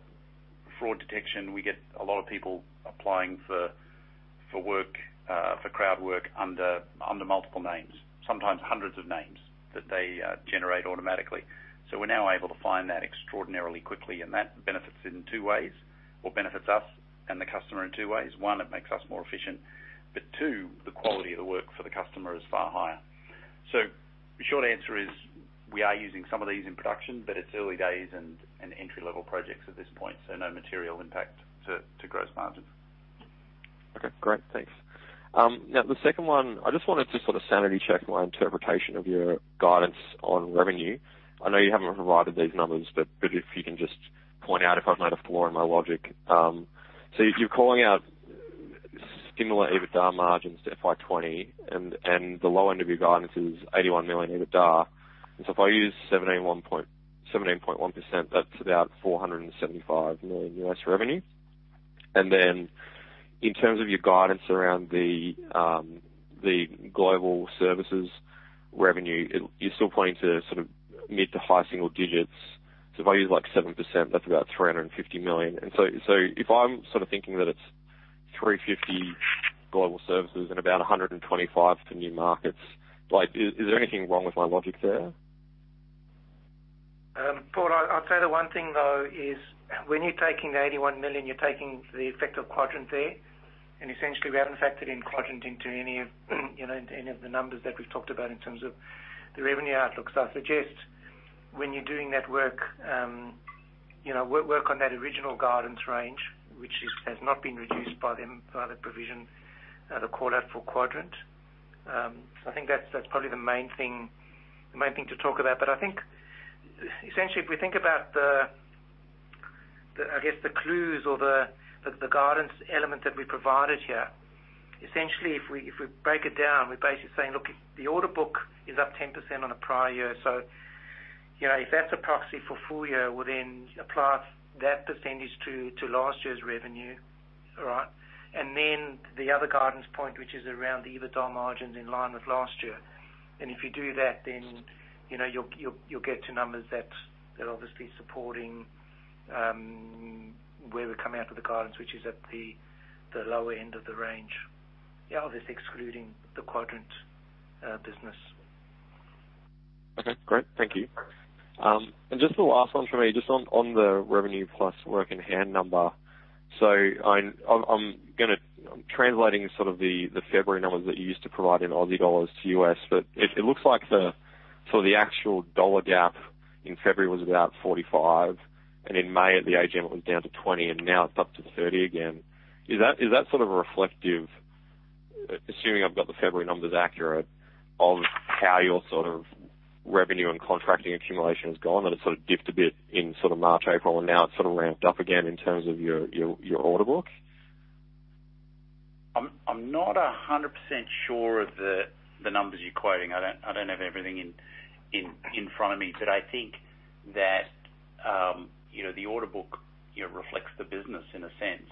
S1: fraud detection, we get a lot of people applying for crowd work under multiple names, sometimes hundreds of names that they generate automatically. We're now able to find that extraordinarily quickly, and that benefits us and the customer in two ways. One, it makes us more efficient. Two, the quality of the work for the customer is far higher. The short answer is, we are using some of these in production, but it's early days and entry-level projects at this point. No material impact to gross margins.
S11: Okay, great. Thanks. The second one, I just wanted to sanity check my interpretation of your guidance on revenue. I know you haven't provided these numbers, but if you can just point out if I've made a flaw in my logic. You're calling out similar EBITDA margins to FY 2020, and the low end of your guidance is $81 million EBITDA. If I use 17.1%, that's about $475 million revenue. In terms of your guidance around the global services revenue, you're still pointing to mid to high single digits. If I use 7%, that's about $350 million. If I'm thinking that it's $350 global services and about $125 to new markets, is there anything wrong with my logic there?
S2: Paul, I'll tell you the one thing, though, is when you're taking the $81 million, you're taking the effect of Quadrant there. Essentially, we haven't factored in Quadrant into any of the numbers that we've talked about in terms of the revenue outlook. I suggest when you're doing that work on that original guidance range, which has not been reduced by the provision, the call-out for Quadrant. I think that's probably the main thing to talk about. I think essentially, if we think about the clues or the guidance element that we provided here, essentially, if we break it down, we're basically saying, look, the order book is up 10% on the prior year. If that's a proxy for full year, we'll then apply that percentage to last year's revenue. All right? The other guidance point, which is around the EBITDA margins in line with last year. If you do that, then you'll get to numbers that are obviously supporting where we're coming out with the guidance, which is at the lower end of the range. Obviously excluding the Quadrant business.
S11: Okay, great. Thank you. Just the last one from me, just on the revenue plus work in hand number. I'm translating the February numbers that you used to provide in AUD to US, but it looks like the actual dollar gap in February was about $45, and in May at the AGM, it was down to $20, and now it's up to $30 again. Is that reflective, assuming I've got the February numbers accurate, of how your revenue and contracting accumulation has gone? That it sort of dipped a bit in March, April, and now it's ramped up again in terms of your order book?
S1: I'm not 100% sure of the numbers you're quoting. I don't have everything in front of me. I think that the order book reflects the business in a sense.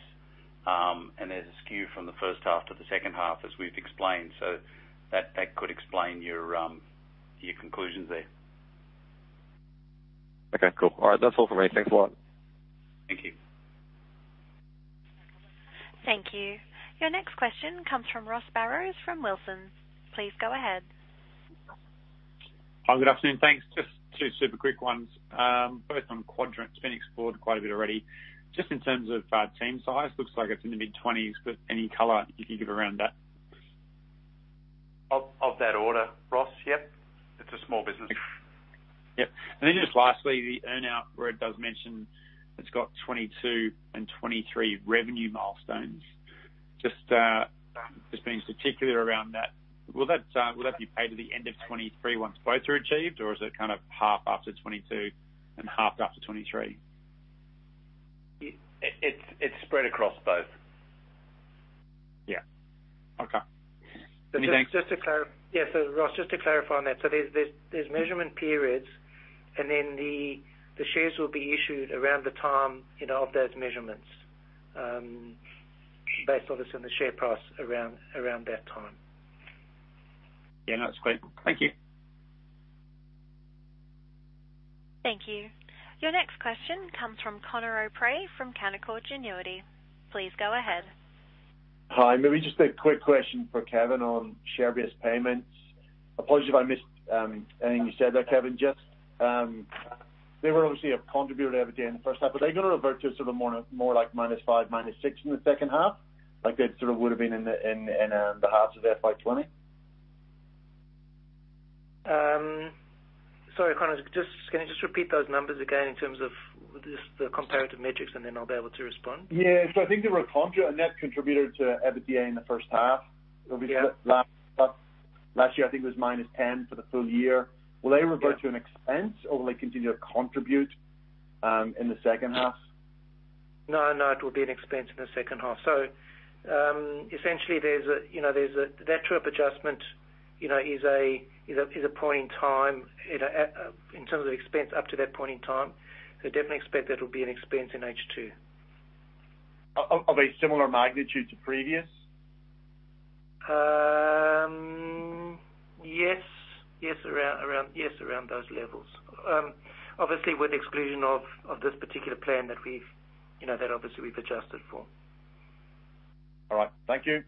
S1: There's a skew from the first half to the second half, as we've explained. That could explain your conclusions there.
S11: Okay, cool. All right. That's all from me. Thanks a lot.
S1: Thank you.
S3: Thank you. Your next question comes from Ross Barrows from Wilsons. Please go ahead.
S12: Hi, good afternoon. Thanks. Just 2 super quick ones, both on Quadrant. It's been explored quite a bit already. Just in terms of team size, looks like it's in the mid-twenties, but any color you can give around that?
S1: Of that order, Ross. Yep. It's a small business.
S12: Yep. Then just lastly, the earn-out where it does mention it's got 2022 and 2023 revenue milestones. Just being particular around that, will that be paid at the end of 2023 once both are achieved, or is it kind of half after 2022 and half after 2023?
S1: It's spread across both.
S12: Yeah. Okay.
S2: Yeah. Ross, just to clarify on that. There's measurement periods, and then the shares will be issued around the time of those measurements, based obviously on the share price around that time.
S12: Yeah, that's great. Thank you.
S3: Thank you. Your next question comes from Conor O'Prey from Canaccord Genuity. Please go ahead.
S13: Hi. Maybe just a quick question for Kevin on share-based payments. Apologies if I missed anything you said there, Kevin. Just they were obviously a contributor of again in the first half, are they going to revert to more like -$5, -$6 in the second half? Like they would have been in the halves of FY 2020?
S2: Sorry, Conor, can you just repeat those numbers again in terms of just the comparative metrics, and then I'll be able to respond?
S13: Yeah. I think they were a net contributor to EBITDA in the first half.
S2: Yeah.
S13: Last year, I think it was -$10 for the full year. Will they revert to an expense or will they continue to contribute in the second half?
S2: No, it will be an expense in the second half. Essentially that trip adjustment is a point in time in terms of expense up to that point in time. Definitely expect that it'll be an expense in H2.
S13: Of a similar magnitude to previous?
S2: Yes. Around those levels. Obviously, with the exclusion of this particular plan that obviously we've adjusted for.
S13: All right. Thank you.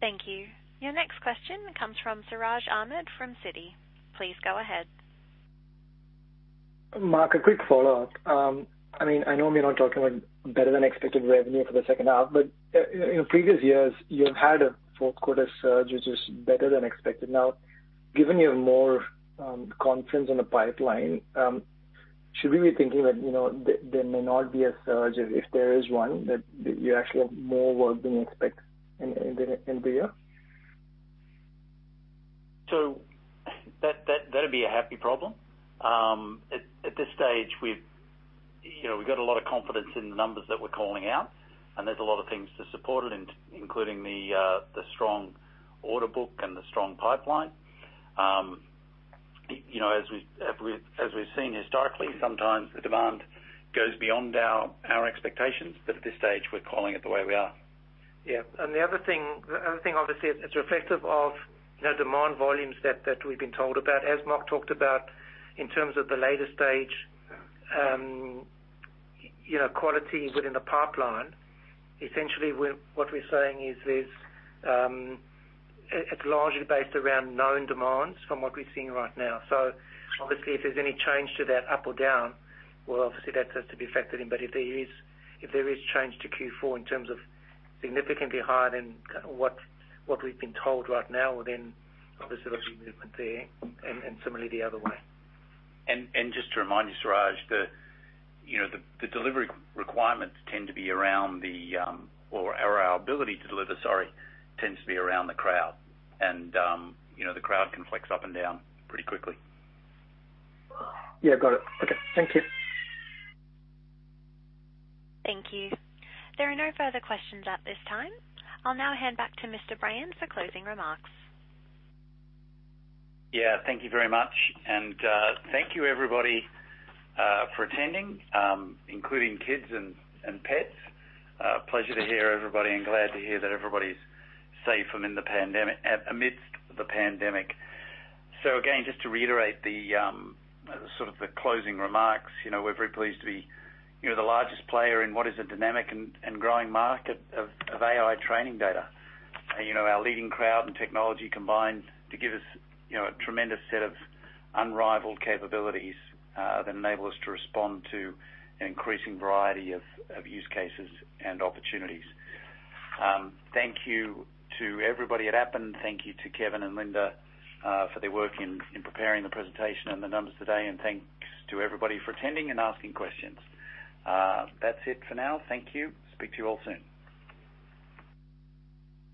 S3: Thank you. Your next question comes from Siraj Ahmed from Citi. Please go ahead.
S9: Mark, a quick follow-up. I know you're not talking about better-than-expected revenue for the second half, but in previous years you've had a fourth quarter surge, which is better-than-expected. Now, given your more confidence in the pipeline, should we be thinking that there may not be a surge if there is one, that you actually have more work than you expect in the year?
S1: That'd be a happy problem. At this stage, we've got a lot of confidence in the numbers that we're calling out, and there's a lot of things to support it, including the strong order book and the strong pipeline. We've seen historically, sometimes the demand goes beyond our expectations, but at this stage, we're calling it the way we are.
S2: Yeah. The other thing, obviously, it's reflective of demand volumes that we've been told about, as Mark talked about, in terms of the later stage quality within the pipeline. Essentially, what we're saying is it's largely based around known demands from what we're seeing right now. Obviously, if there's any change to that up or down, well, obviously that has to be factored in. If there is change to Q4 in terms of significantly higher than what we've been told right now, then obviously there'll be movement there, and similarly the other way.
S1: Just to remind you, Siraj, the delivery requirements or our ability to deliver, sorry, tends to be around the crowd. The crowd can flex up and down pretty quickly.
S9: Yeah, got it. Okay. Thank you.
S3: Thank you. There are no further questions at this time. I will now hand back to Mr. Brayan for closing remarks.
S1: Yeah, thank you very much. Thank you everybody for attending, including kids and pets. A pleasure to hear everybody and glad to hear that everybody's safe amidst the pandemic. Again, just to reiterate the closing remarks, we're very pleased to be the largest player in what is a dynamic and growing market of AI training data. Our leading crowd and technology combined to give us a tremendous set of unrivaled capabilities that enable us to respond to an increasing variety of use cases and opportunities. Thank you to everybody at Appen. Thank you to Kevin and Linda for their work in preparing the presentation and the numbers today. Thanks to everybody for attending and asking questions. That's it for now. Thank you. Speak to you all soon.